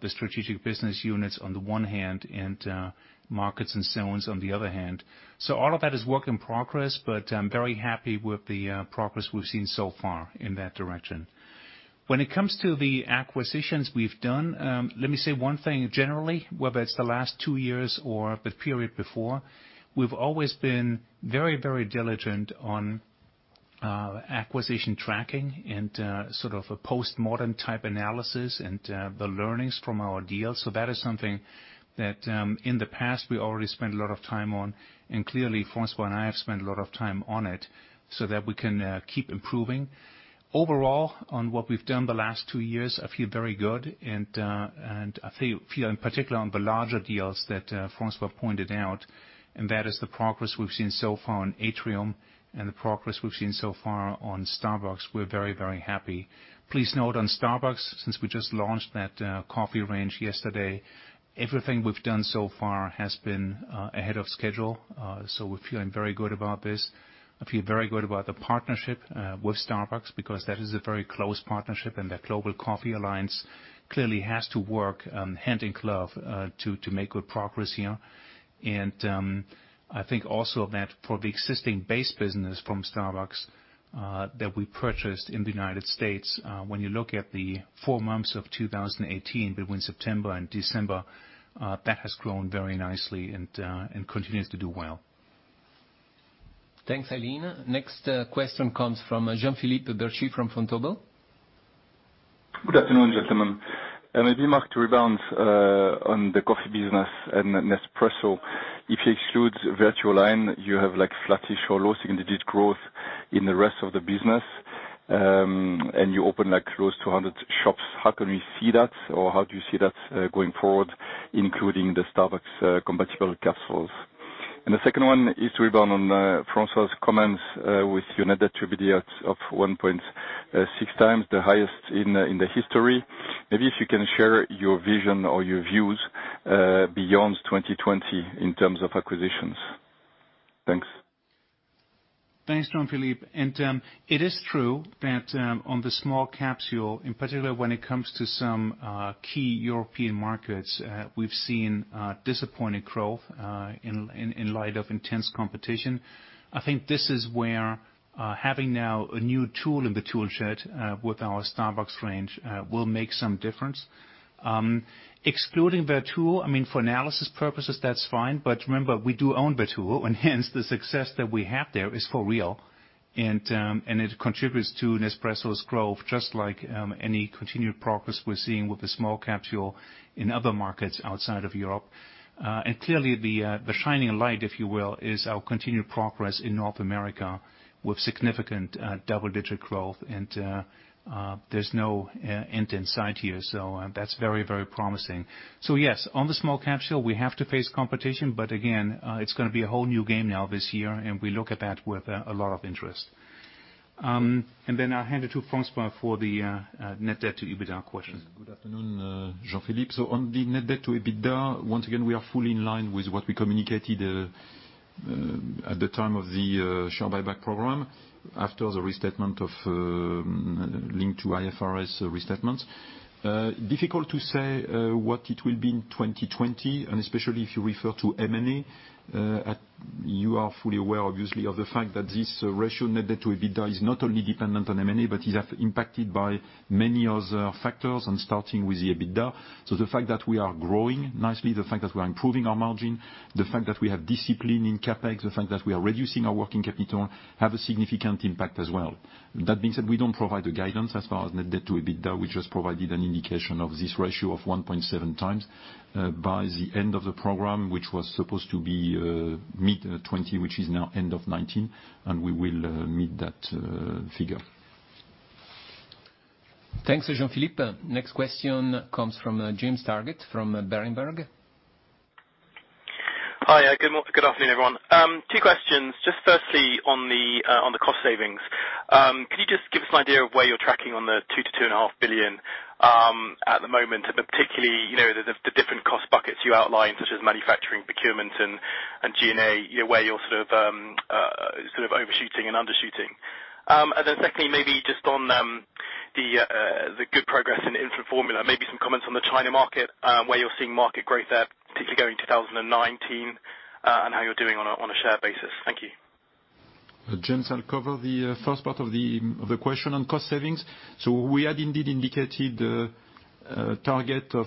the Strategic Business Units on the one hand, and markets and zones on the other hand. All of that is work in progress, but I'm very happy with the progress we've seen so far in that direction. When it comes to the acquisitions we've done, let me say one thing generally, whether it's the last two years or the period before, we've always been very diligent on acquisition tracking and a postmodern type analysis and the learnings from our deals. That is something that, in the past, we already spent a lot of time on. Clearly, François and I have spent a lot of time on it so that we can keep improving. Overall, on what we've done the last two years, I feel very good and I feel in particular on the larger deals that François pointed out, and that is the progress we've seen so far on Atrium and the progress we've seen so far on Starbucks. We're very happy. Please note on Starbucks, since we just launched that coffee range yesterday, everything we've done so far has been ahead of schedule. We're feeling very good about this. I feel very good about the partnership with Starbucks because that is a very close partnership, that global coffee alliance clearly has to work hand in glove, to make good progress here. I think also that for the existing base business from Starbucks that we purchased in the U.S., when you look at the four months of 2018 between September and December, that has grown very nicely and continues to do well. Thanks, Eileen. Next question comes from Jean-Philippe Bertschy from Vontobel. Good afternoon, gentlemen. Mark, to rebound on the coffee business and Nespresso. If you exclude VertuoLine, you have flattish or [low growth in the rest of the business, and you open close to 100 shops. How can we see that, or how do you see that going forward, including the Starbucks compatible capsules? The second one is to rebound on François's comments with net debt-to-EBITDA of 1.6 times, the highest in the history. Maybe if you can share your vision or your views beyond 2020 in terms of acquisitions. Thanks. Thanks, Jean-Philippe. It is true that on the small capsule, in particular when it comes to some key European markets, we've seen disappointing growth in light of intense competition. I think this is where having now a new tool in the tool shed with our Starbucks range will make some difference. Excluding Vertuo, for analysis purposes, that's fine, but remember, we do own Vertuo and hence the success that we have there is for real, and it contributes to Nespresso's growth, just like any continued progress we're seeing with the small capsule in other markets outside of Europe. Clearly the shining light, if you will, is our continued progress in North America with significant double-digit growth and there's no end in sight here. That's very promising. Yes, on the small capsule, we have to face competition, but again, it's going to be a whole new game now this year, and we look at that with a lot of interest. Then I'll hand it to François for the net debt-to-EBITDA question. Good afternoon, Jean-Philippe. On the net debt to EBITDA, once again, we are fully in line with what we communicated at the time of the share buyback program after the restatement of link to IFRS restatement. Difficult to say what it will be in 2020 and especially if you refer to M&A. You are fully aware, obviously, of the fact that this ratio, net debt to EBITDA, is not only dependent on M&A, but is impacted by many other factors, and starting with the EBITDA. The fact that we are growing nicely, the fact that we are improving our margin, the fact that we have discipline in CapEx, the fact that we are reducing our working capital, have a significant impact as well. That being said, we don't provide a guidance as far as net debt to EBITDA. We just provided an indication of this ratio of 1.7 times by the end of the program, which was supposed to be mid 2020, which is now end of 2019, we will meet that figure. Thanks, Jean-Philippe. Next question comes from James Target from Berenberg. Hi, good morning. Good afternoon, everyone. Two questions. Just firstly, on the cost savings, can you just give us an idea of where you're tracking on the 2 billion-2.5 billion at the moment? Particularly, the different cost buckets you outlined, such as manufacturing, procurement, and G&A, where you're overshooting and undershooting. Then secondly, maybe just on the good progress in infant formula, maybe some comments on the China market, where you're seeing market growth at, particularly going in 2019, and how you're doing on a share basis. Thank you. James, I'll cover the first part of the question on cost savings. We had indeed indicated a target of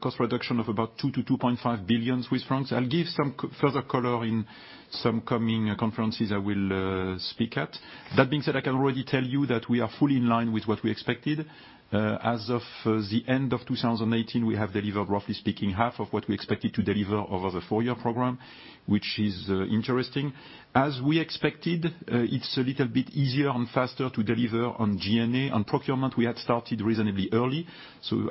cost reduction of about 2 billion-2.5 billion Swiss francs. I'll give some further color in some coming conferences I will speak at. That being said, I can already tell you that we are fully in line with what we expected. As of the end of 2018, we have delivered, roughly speaking, half of what we expected to deliver over the four-year program, which is interesting. As we expected, it's a little bit easier and faster to deliver on G&A and procurement. We had started reasonably early.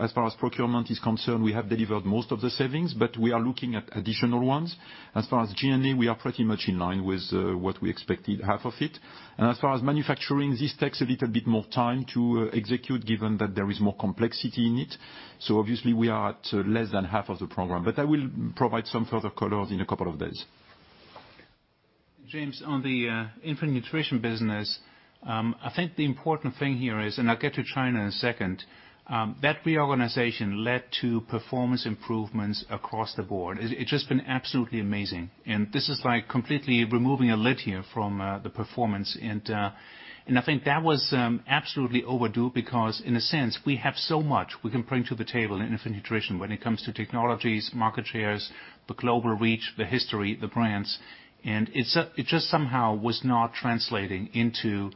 As far as procurement is concerned, we have delivered most of the savings, but we are looking at additional ones. As far as G&A, we are pretty much in line with what we expected, half of it. As far as manufacturing, this takes a little bit more time to execute, given that there is more complexity in it. Obviously, we are at less than half of the program. I will provide some further colors in a couple of days. James, on the infant nutrition business, I think the important thing here is, and I'll get to China in a second, that reorganization led to performance improvements across the board. It's just been absolutely amazing. This is like completely removing a lid here from the performance. I think that was absolutely overdue because in a sense, we have so much we can bring to the table in infant nutrition when it comes to technologies, market shares, the global reach, the history, the brands. It just somehow was not translating into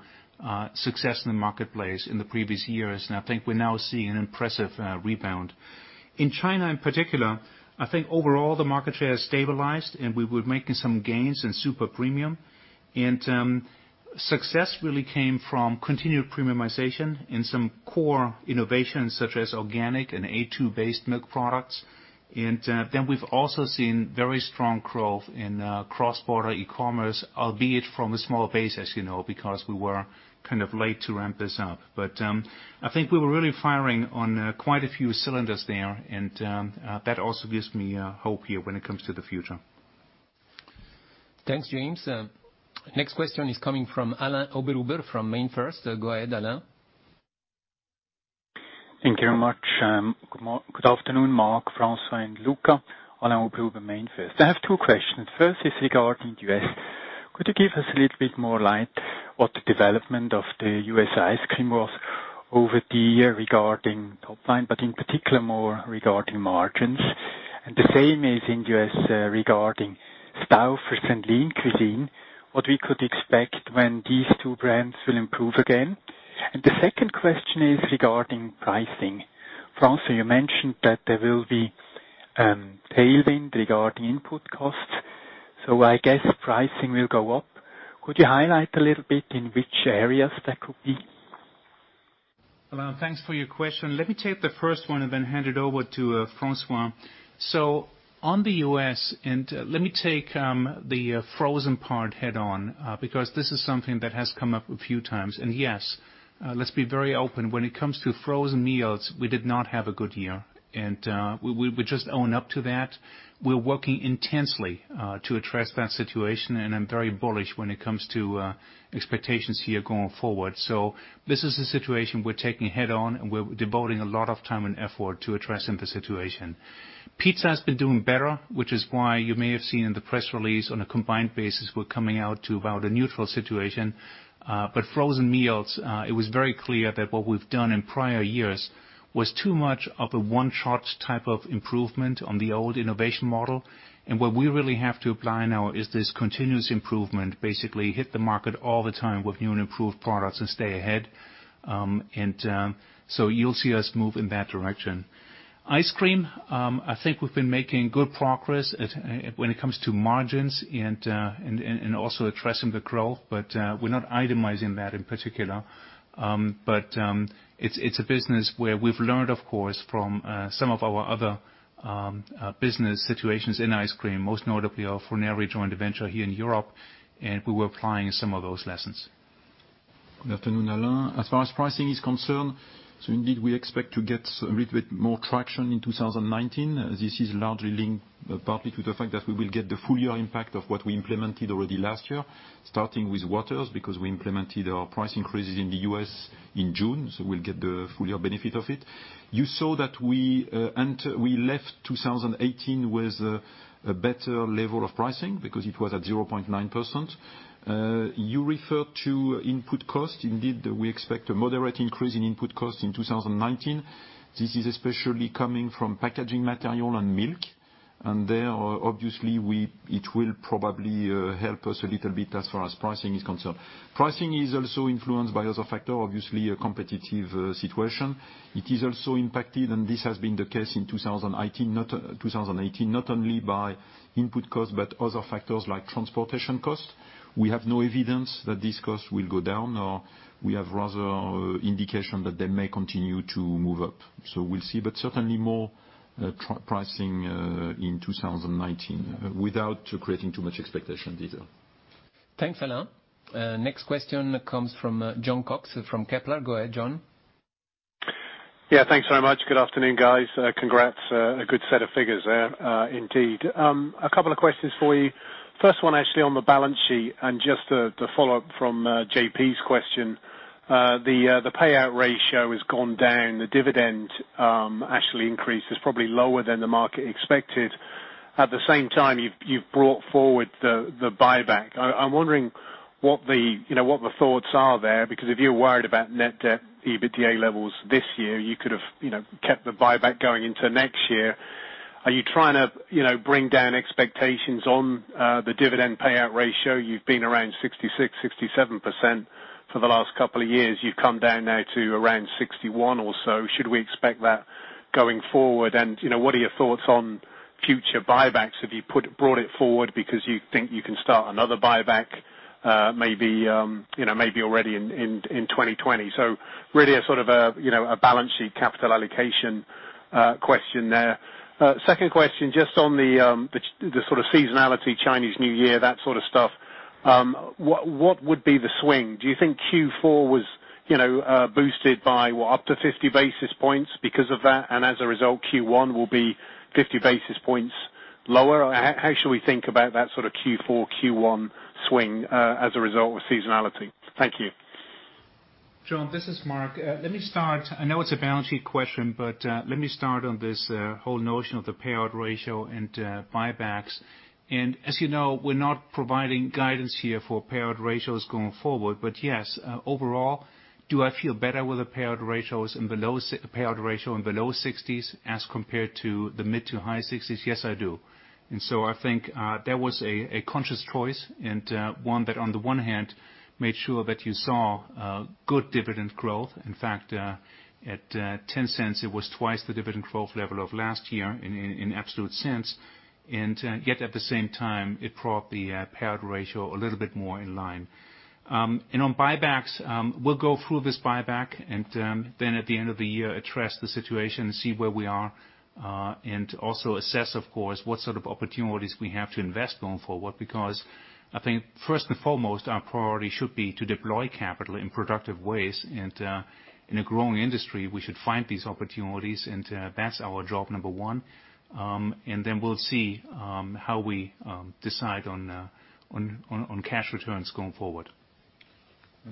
success in the marketplace in the previous years, I think we're now seeing an impressive rebound. In China, in particular, I think overall the market share has stabilized, we were making some gains in super premium. Success really came from continued premiumization in some core innovations, such as organic and A2-based milk products. We've also seen very strong growth in cross-border e-commerce, albeit from a small base, as you know, because we were kind of late to ramp this up. I think we were really firing on quite a few cylinders there, that also gives me hope here when it comes to the future. Thanks, James. Next question is coming from Alain Oberhuber from MainFirst. Go ahead, Alain. Thank you very much. Good afternoon, Mark, François, and Luca. Alain Oberhuber, MainFirst. I have two questions. First is regarding U.S. Could you give us a little bit more light what the development of the U.S. ice cream was over the year regarding top line, but in particular more regarding margins? The same is in U.S. regarding Stouffer's and Lean Cuisine, what we could expect when these two brands will improve again. The second question is regarding pricing. François, you mentioned that there will be tailwind regarding input costs, so I guess pricing will go up. Could you highlight a little bit in which areas that could be? Alain, thanks for your question. Let me take the first one and then hand it over to François. On the U.S., and let me take the frozen part head on, because this is something that has come up a few times. Yes, let's be very open. When it comes to frozen meals, we did not have a good year, and we just own up to that. We're working intensely to address that situation, and I'm very bullish when it comes to expectations here going forward. This is a situation we're taking head on, and we're devoting a lot of time and effort to addressing the situation. Pizza has been doing better, which is why you may have seen in the press release on a combined basis, we're coming out to about a neutral situation. Frozen meals, it was very clear that what we've done in prior years was too much of a one-shot type of improvement on the old innovation model. What we really have to apply now is this continuous improvement, basically hit the market all the time with new and improved products and stay ahead. You'll see us move in that direction. Ice cream, I think we've been making good progress when it comes to margins and also addressing the growth, but we're not itemizing that in particular. It's a business where we've learned, of course, from some of our other business situations in ice cream, most notably our Froneri joint venture here in Europe, and we were applying some of those lessons. Good afternoon, Alain. As far as pricing is concerned, indeed we expect to get a little bit more traction in 2019. This is largely linked partly to the fact that we will get the full year impact of what we implemented already last year, starting with Waters, because we implemented our price increases in the U.S. in June. We'll get the full year benefit of it. You saw that we left 2018 with a better level of pricing, because it was at 0.9%. You referred to input cost. Indeed, we expect a moderate increase in input cost in 2019. This is especially coming from packaging material and milk. There, obviously, it will probably help us a little bit as far as pricing is concerned. Pricing is also influenced by other factors, obviously, a competitive situation. It is also impacted, and this has been the case in 2018, not only by input cost, but other factors like transportation cost. We have no evidence that this cost will go down. We have rather indication that they may continue to move up. We'll see. Certainly more pricing in 2019 without creating too much expectation either. Thanks, Alain. Next question comes from Jon Cox from Kepler. Go ahead, Jon. Thanks very much. Good afternoon, guys. Congrats. A good set of figures there indeed. A couple of questions for you. First one, actually, on the balance sheet and just to follow up from J.P.'s question. The payout ratio has gone down. The dividend actually increased. It's probably lower than the market expected. At the same time, you've brought forward the buyback. I'm wondering what the thoughts are there, because if you're worried about net debt EBITDA levels this year, you could have kept the buyback going into next year. Are you trying to bring down expectations on the dividend payout ratio? You've been around 66%-67% for the last couple of years. You've come down now to around 61% or so. Should we expect that going forward? What are your thoughts on future buybacks? Have you brought it forward because you think you can start another buyback maybe already in 2020? Really a sort of a balance sheet capital allocation question there. Second question, just on the sort of seasonality, Chinese New Year, that sort of stuff, what would be the swing? Do you think Q4 was boosted by up to 50 basis points because of that, and as a result, Q1 will be 50 basis points lower? How should we think about that sort of Q4, Q1 swing as a result of seasonality? Thank you. Jon, this is Mark. I know it's a balance sheet question, let me start on this whole notion of the payout ratio and buybacks. As you know, we're not providing guidance here for payout ratios going forward. Yes, overall, do I feel better with the payout ratio in below 60s as compared to the mid to high 60s? Yes, I do. I think that was a conscious choice and one that, on the one hand, made sure that you saw good dividend growth. In fact, at 0.10, it was twice the dividend growth level of last year in absolute sense, and yet at the same time, it brought the payout ratio a little bit more in line. On buybacks, we'll go through this buyback and then at the end of the year, address the situation and see where we are, and also assess, of course, what sort of opportunities we have to invest going forward. I think first and foremost, our priority should be to deploy capital in productive ways, and in a growing industry, we should find these opportunities, and that's our job number one. We'll see how we decide on cash returns going forward.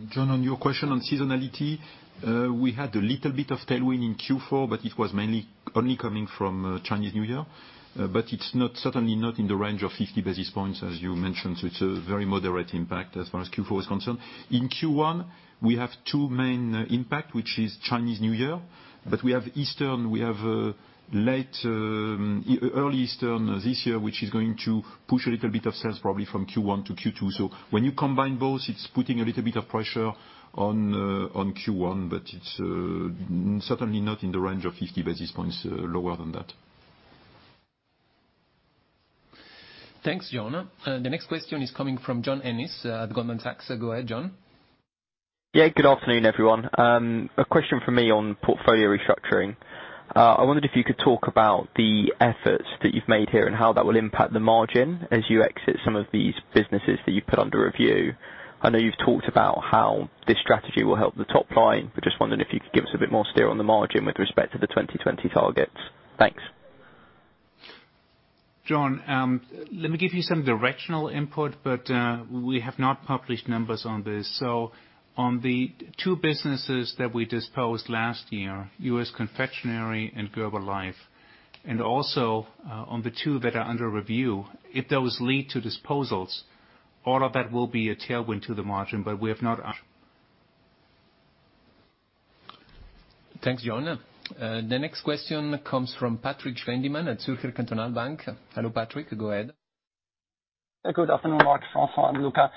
Jon, on your question on seasonality, we had a little bit of tailwind in Q4, it was mainly only coming from Chinese New Year. It's certainly not in the range of 50 basis points as you mentioned, so it's a very moderate impact as far as Q4 is concerned. In Q1, we have two main impacts, which is Chinese New Year, we have early Easter this year, which is going to push a little bit of sales probably from Q1 to Q2. When you combine both, it's putting a little bit of pressure on Q1, it's certainly not in the range of 50 basis points lower than that. Thanks, Jon. The next question is coming from John Ennis at Goldman Sachs. Go ahead, John. Yeah. Good afternoon, everyone. A question from me on portfolio restructuring. I wondered if you could talk about the efforts that you've made here and how that will impact the margin as you exit some of these businesses that you've put under review. I know you've talked about how this strategy will help the top line, but just wondering if you could give us a bit more steer on the margin with respect to the 2020 targets. Thanks. John, let me give you some directional input, but we have not published numbers on this. On the two businesses that we disposed last year, U.S. confectionery and Gerber Life Insurance Company, and also on the two that are under review, if those lead to disposals, all of that will be a tailwind to the margin. We have not. Thanks, John. The next question comes from Patrik Schwendimann at Zürcher Kantonalbank. Hello, Patrik. Go ahead. Good afternoon, Mark, François, and Luca.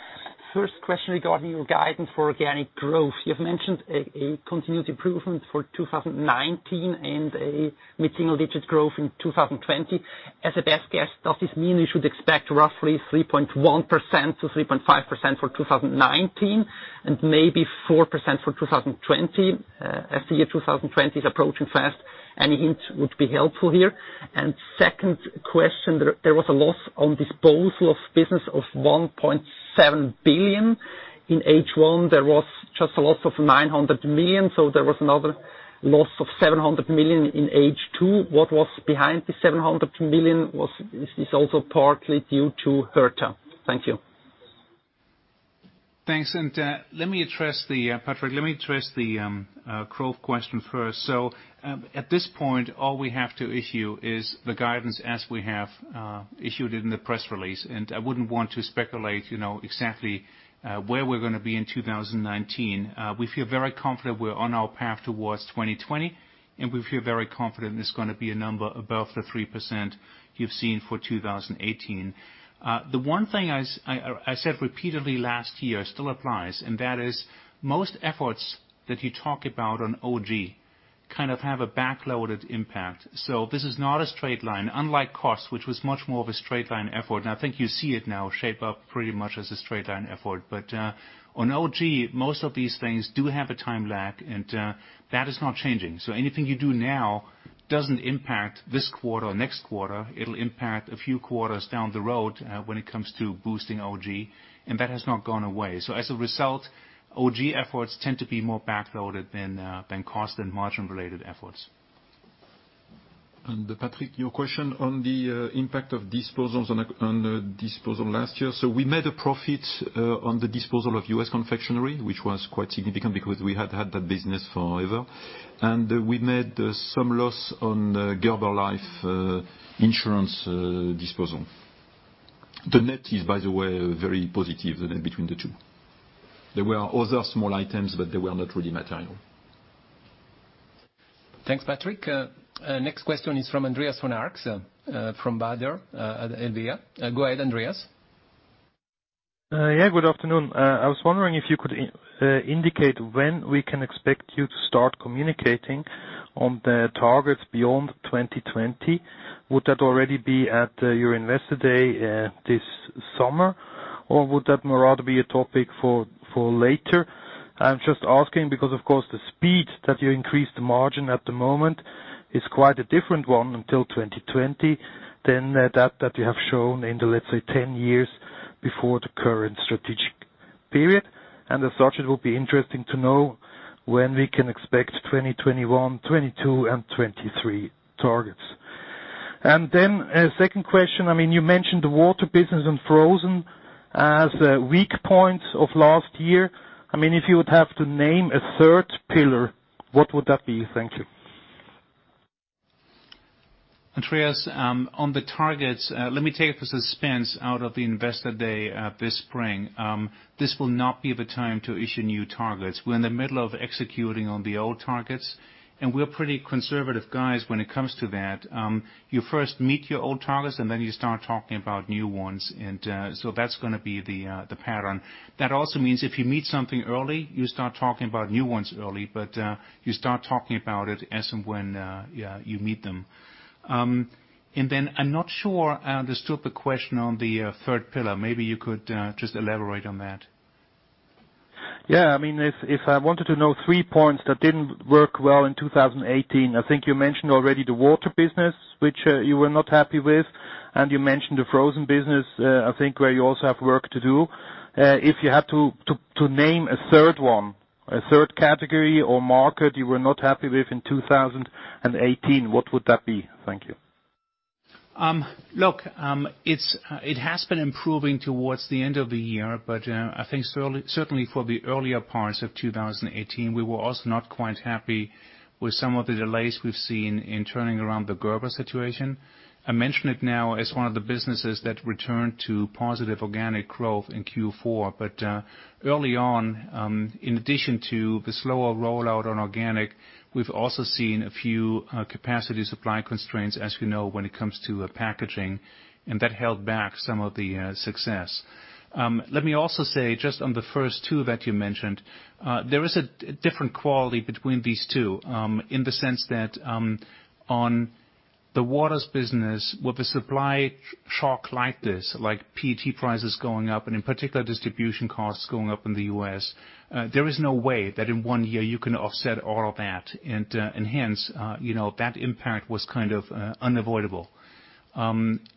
First question regarding your guidance for organic growth. You have mentioned a continued improvement for 2019 and a mid-single digit growth in 2020. As a best guess, does this mean we should expect roughly 3.1%-3.5% for 2019 and maybe 4% for 2020? As the year 2020 is approaching fast, any hint would be helpful here. Second question, there was a loss on disposal of business of 1.7 billion. In H1, there was just a loss of 900 million, so there was another loss of 700 million in H2. What was behind the 700 million? Is this also partly due to Herta? Thank you. Thanks. Patrik, let me address the growth question first. At this point, all we have to issue is the guidance as we have issued in the press release. I wouldn't want to speculate exactly where we're going to be in 2019. We feel very confident we're on our path towards 2020, we feel very confident it's going to be a number above the 3% you've seen for 2018. The one thing I said repeatedly last year still applies, that is most efforts that you talk about on OG kind of have a backloaded impact. This is not a straight line, unlike costs, which was much more of a straight line effort. I think you see it now shape up pretty much as a straight line effort. On OG, most of these things do have a time lag, and that is not changing. Anything you do now doesn't impact this quarter or next quarter, it'll impact a few quarters down the road, when it comes to boosting OG, and that has not gone away. As a result, OG efforts tend to be more backloaded than cost and margin related efforts. Patrik, your question on the impact of disposals on the disposal last year. We made a profit on the disposal of U.S. confectionery, which was quite significant because we had had that business forever. We made some loss on Gerber Life Insurance disposal. The net is, by the way, very positive between the two. There were other small items, but they were not really material. Thanks, Patrik. Next question is from Andreas von Arx from Baader Helvea. Go ahead, Andreas. Yeah, good afternoon. I was wondering if you could indicate when we can expect you to start communicating on the targets beyond 2020. Would that already be at your Investor Day this summer? Or would that rather be a topic for later? I'm just asking because, of course, the speed that you increase the margin at the moment is quite a different one until 2020, than that that you have shown in the, let's say, 10 years before the current strategic period. As such, it will be interesting to know when we can expect 2020, 2021, 2022, and 2023 targets. Then a second question. You mentioned the water business and frozen as weak points of last year. If you would have to name a third pillar, what would that be? Thank you. Andreas, on the targets, let me take the suspense out of the Investor Day this spring. This will not be the time to issue new targets. We're in the middle of executing on the old targets, and we're pretty conservative guys when it comes to that. You first meet your old targets, then you start talking about new ones. So that's going to be the pattern. That also means if you meet something early, you start talking about new ones early. You start talking about it as and when you meet them. Then I'm not sure I understood the question on the third pillar. Maybe you could just elaborate on that. Yeah. If I wanted to know three points that didn't work well in 2018, I think you mentioned already the water business, which you were not happy with, and you mentioned the frozen business, I think, where you also have work to do. If you had to name a third one, a third category or market you were not happy with in 2018, what would that be? Thank you. Look, it has been improving towards the end of the year, I think certainly for the earlier parts of 2018, we were also not quite happy with some of the delays we've seen in turning around the Gerber situation. I mention it now as one of the businesses that returned to positive organic growth in Q4. Early on, in addition to the slower rollout on organic, we've also seen a few capacity supply constraints as we know when it comes to packaging, and that held back some of the success. Let me also say, just on the first two that you mentioned, there is a different quality between these two, in the sense that on the Nestlé Waters business, with a supply shock like this, like PET prices going up and in particular distribution costs going up in the U.S., there is no way that in one year you can offset all of that. Hence, that impact was kind of unavoidable.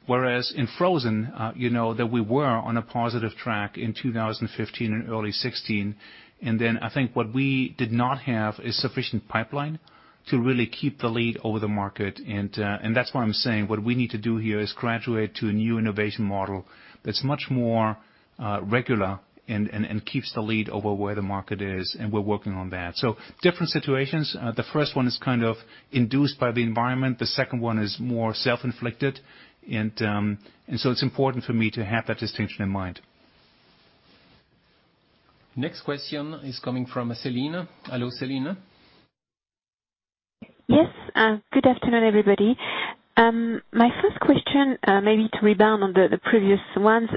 Whereas in frozen, that we were on a positive track in 2015 and early 2016, then I think what we did not have is sufficient pipeline to really keep the lead over the market. That's why I'm saying what we need to do here is graduate to a new innovation model that's much more regular and keeps the lead over where the market is, we're working on that. Different situations. The first one is kind of induced by the environment. The second one is more self-inflicted. It's important for me to have that distinction in mind. Next question is coming from Celine. Hello, Celine. Yes. Good afternoon, everybody. My first question, maybe to rebound on the previous ones.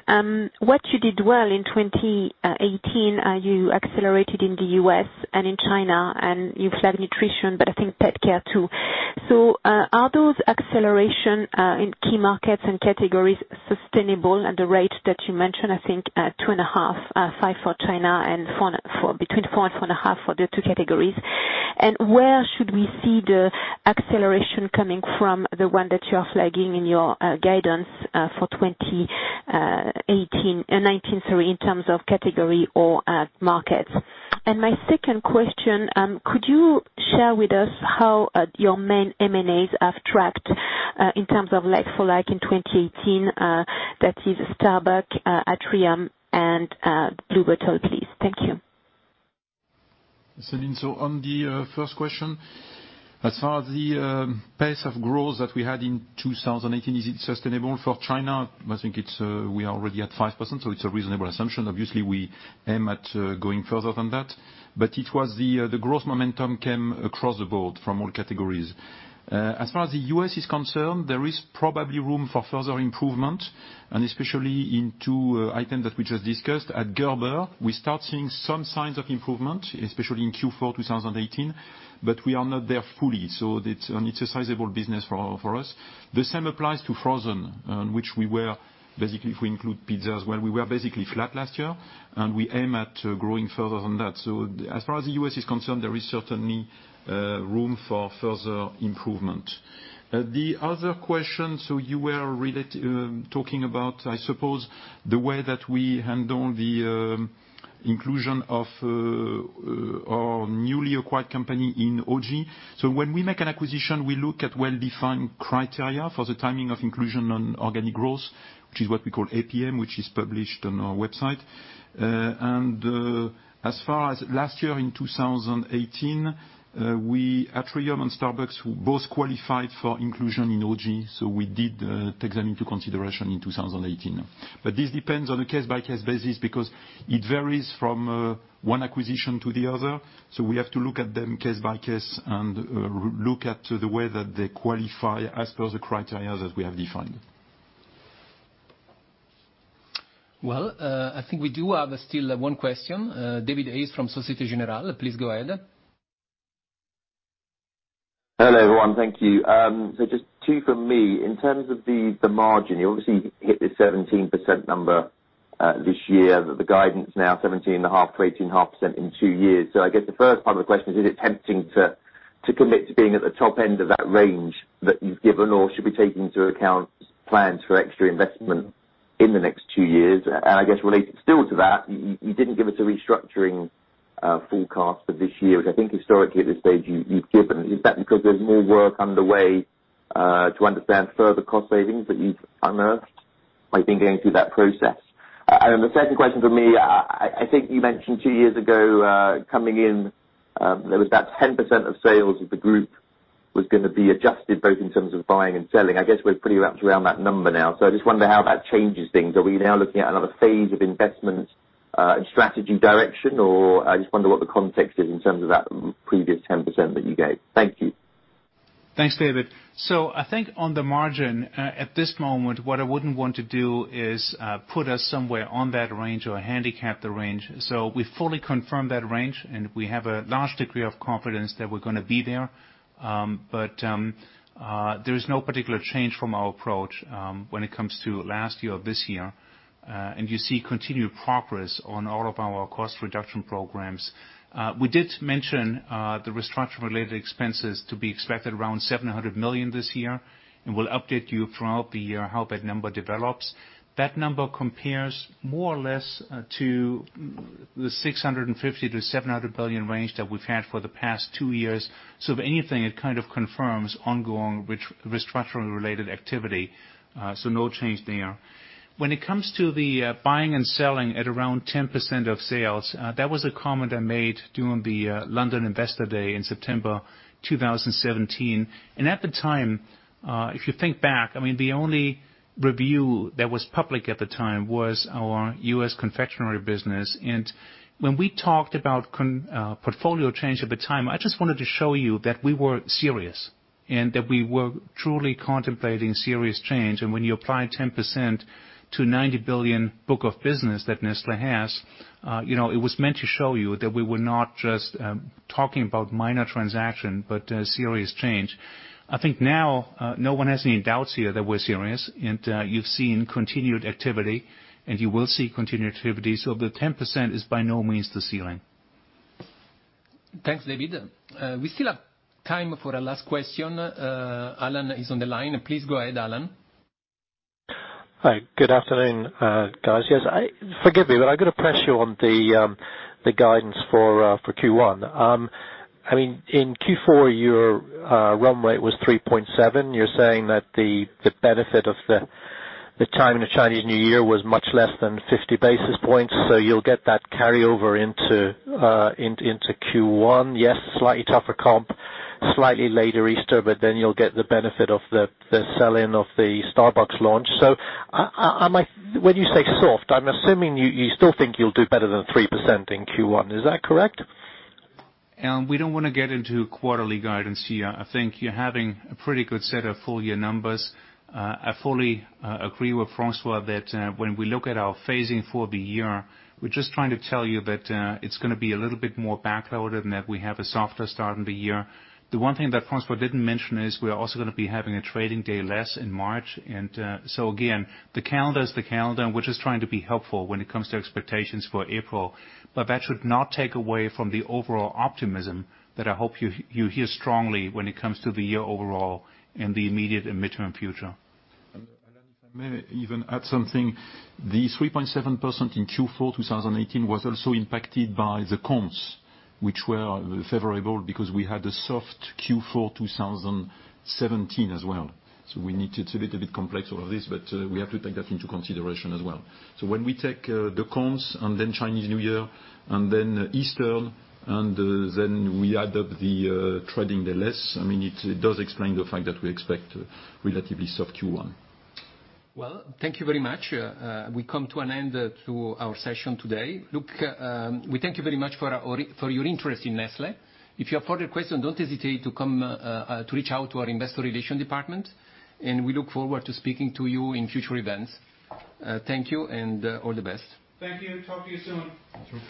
What you did well in 2018, you accelerated in the U.S. and in China and you flagged nutrition, but I think pet care too. Are those acceleration in key markets and categories sustainable at the rate that you mentioned, I think 2.5%, 5% for China and between 4% and 4.5% for the two categories. Where should we see the acceleration coming from the one that you are flagging in your guidance for 2019, sorry, in terms of category or markets? My second question, could you share with us how your main M&As have tracked in terms of like for like in 2018? That is Starbucks, Atrium, and Blue Bottle, please. Thank you. Celine, on the first question, as far as the pace of growth that we had in 2018, is it sustainable for China? I think we are already at 5%, it's a reasonable assumption. Obviously, we aim at going further than that. The growth momentum came across the board from all categories. As far as the U.S. is concerned, there is probably room for further improvement, especially in two items that we just discussed. At Gerber, we start seeing some signs of improvement, especially in Q4 2018, we are not there fully. It's a sizable business for us. The same applies to frozen, basically, if we include pizzas, well, we were basically flat last year, we aim at growing further than that. As far as the U.S. is concerned, there is certainly room for further improvement. The other question, you were really talking about, I suppose, the way that we handle the inclusion of our newly acquired company in OG. When we make an acquisition, we look at well-defined criteria for the timing of inclusion on organic growth, which is what we call APM, which is published on our website. As far as last year in 2018, Atrium and Starbucks both qualified for inclusion in OG, we did take them into consideration in 2018. This depends on a case-by-case basis because it varies from one acquisition to the other. We have to look at them case by case and look at the way that they qualify as per the criteria that we have defined. Well, I think we do have still one question. David Hayes from Société Générale. Please go ahead. Hello, everyone. Thank you. Just two from me. In terms of the margin, you obviously hit the 17% number this year. The guidance now 17.5%-18.5% in 2 years. I guess the first part of the question is it tempting to commit to being at the top end of that range that you've given? Or should we take into account plans for extra investment in the next 2 years? I guess related still to that, you didn't give us a restructuring forecast for this year, which I think historically at this stage you've given. Is that because there's more work underway to understand further cost savings that you've unearthed by thinking through that process? The second question from me, I think you mentioned 2 years ago, coming in, there was that 10% of sales of the group was going to be adjusted both in terms of buying and selling. I guess we're pretty wrapped around that number now. I just wonder how that changes things. Are we now looking at another phase of investment and strategy direction, or I just wonder what the context is in terms of that previous 10% that you gave. Thank you. Thanks, David. I think on the margin, at this moment, what I wouldn't want to do is put us somewhere on that range or handicap the range. We fully confirm that range, and we have a large degree of confidence that we're going to be there. There is no particular change from our approach when it comes to last year or this year. You see continued progress on all of our cost reduction programs. We did mention the restructuring-related expenses to be expected around 700 million this year, and we'll update you throughout the year how that number develops. That number compares more or less to the 650 million-700 million range that we've had for the past 2 years. If anything, it kind of confirms ongoing restructuring-related activity. No change there. When it comes to the buying and selling at around 10% of sales, that was a comment I made during the London Investor Day in September 2017. At the time, if you think back, the only review that was public at the time was our U.S. confectionery business. When we talked about portfolio change at the time, I just wanted to show you that we were serious and that we were truly contemplating serious change. When you apply 10% to 90 billion book of business that Nestlé has, it was meant to show you that we were not just talking about minor transaction, but serious change. I think now no one has any doubts here that we're serious, and you've seen continued activity, and you will see continued activity. The 10% is by no means the ceiling. Thanks, David. We still have time for a last question. Alan is on the line. Please go ahead, Alan. Hi. Good afternoon, guys. Forgive me, I got to press you on the guidance for Q1. In Q4, your run rate was 3.7. You're saying that the benefit of the timing of Chinese New Year was much less than 50 basis points. You'll get that carryover into Q1. Yes, slightly tougher comp, slightly later Easter, you'll get the benefit of the sell-in of the Starbucks launch. When you say soft, I'm assuming you still think you'll do better than 3% in Q1. Is that correct? We don't want to get into quarterly guidance here. I think you're having a pretty good set of full year numbers. I fully agree with François that when we look at our phasing for the year, we're just trying to tell you that it's going to be a little bit more backloaded and that we have a softer start in the year. The one thing that François didn't mention is we are also going to be having a trading day less in March. Again, the calendar is the calendar, and we're just trying to be helpful when it comes to expectations for April. That should not take away from the overall optimism that I hope you hear strongly when it comes to the year overall and the immediate and midterm future. Alan, if I may even add something. The 3.7% in Q4 2018 was also impacted by the comps, which were favorable because we had a soft Q4 2017 as well. It's a little bit complex, all of this, but we have to take that into consideration as well. When we take the comps and then Chinese New Year and then Easter, and then we add up the trading day less, it does explain the fact that we expect relatively soft Q1. Well, thank you very much. We come to an end to our session today. Look, we thank you very much for your interest in Nestlé. If you have further questions, don't hesitate to reach out to our investor relation department, and we look forward to speaking to you in future events. Thank you, and all the best. Thank you. Talk to you soon. Sure.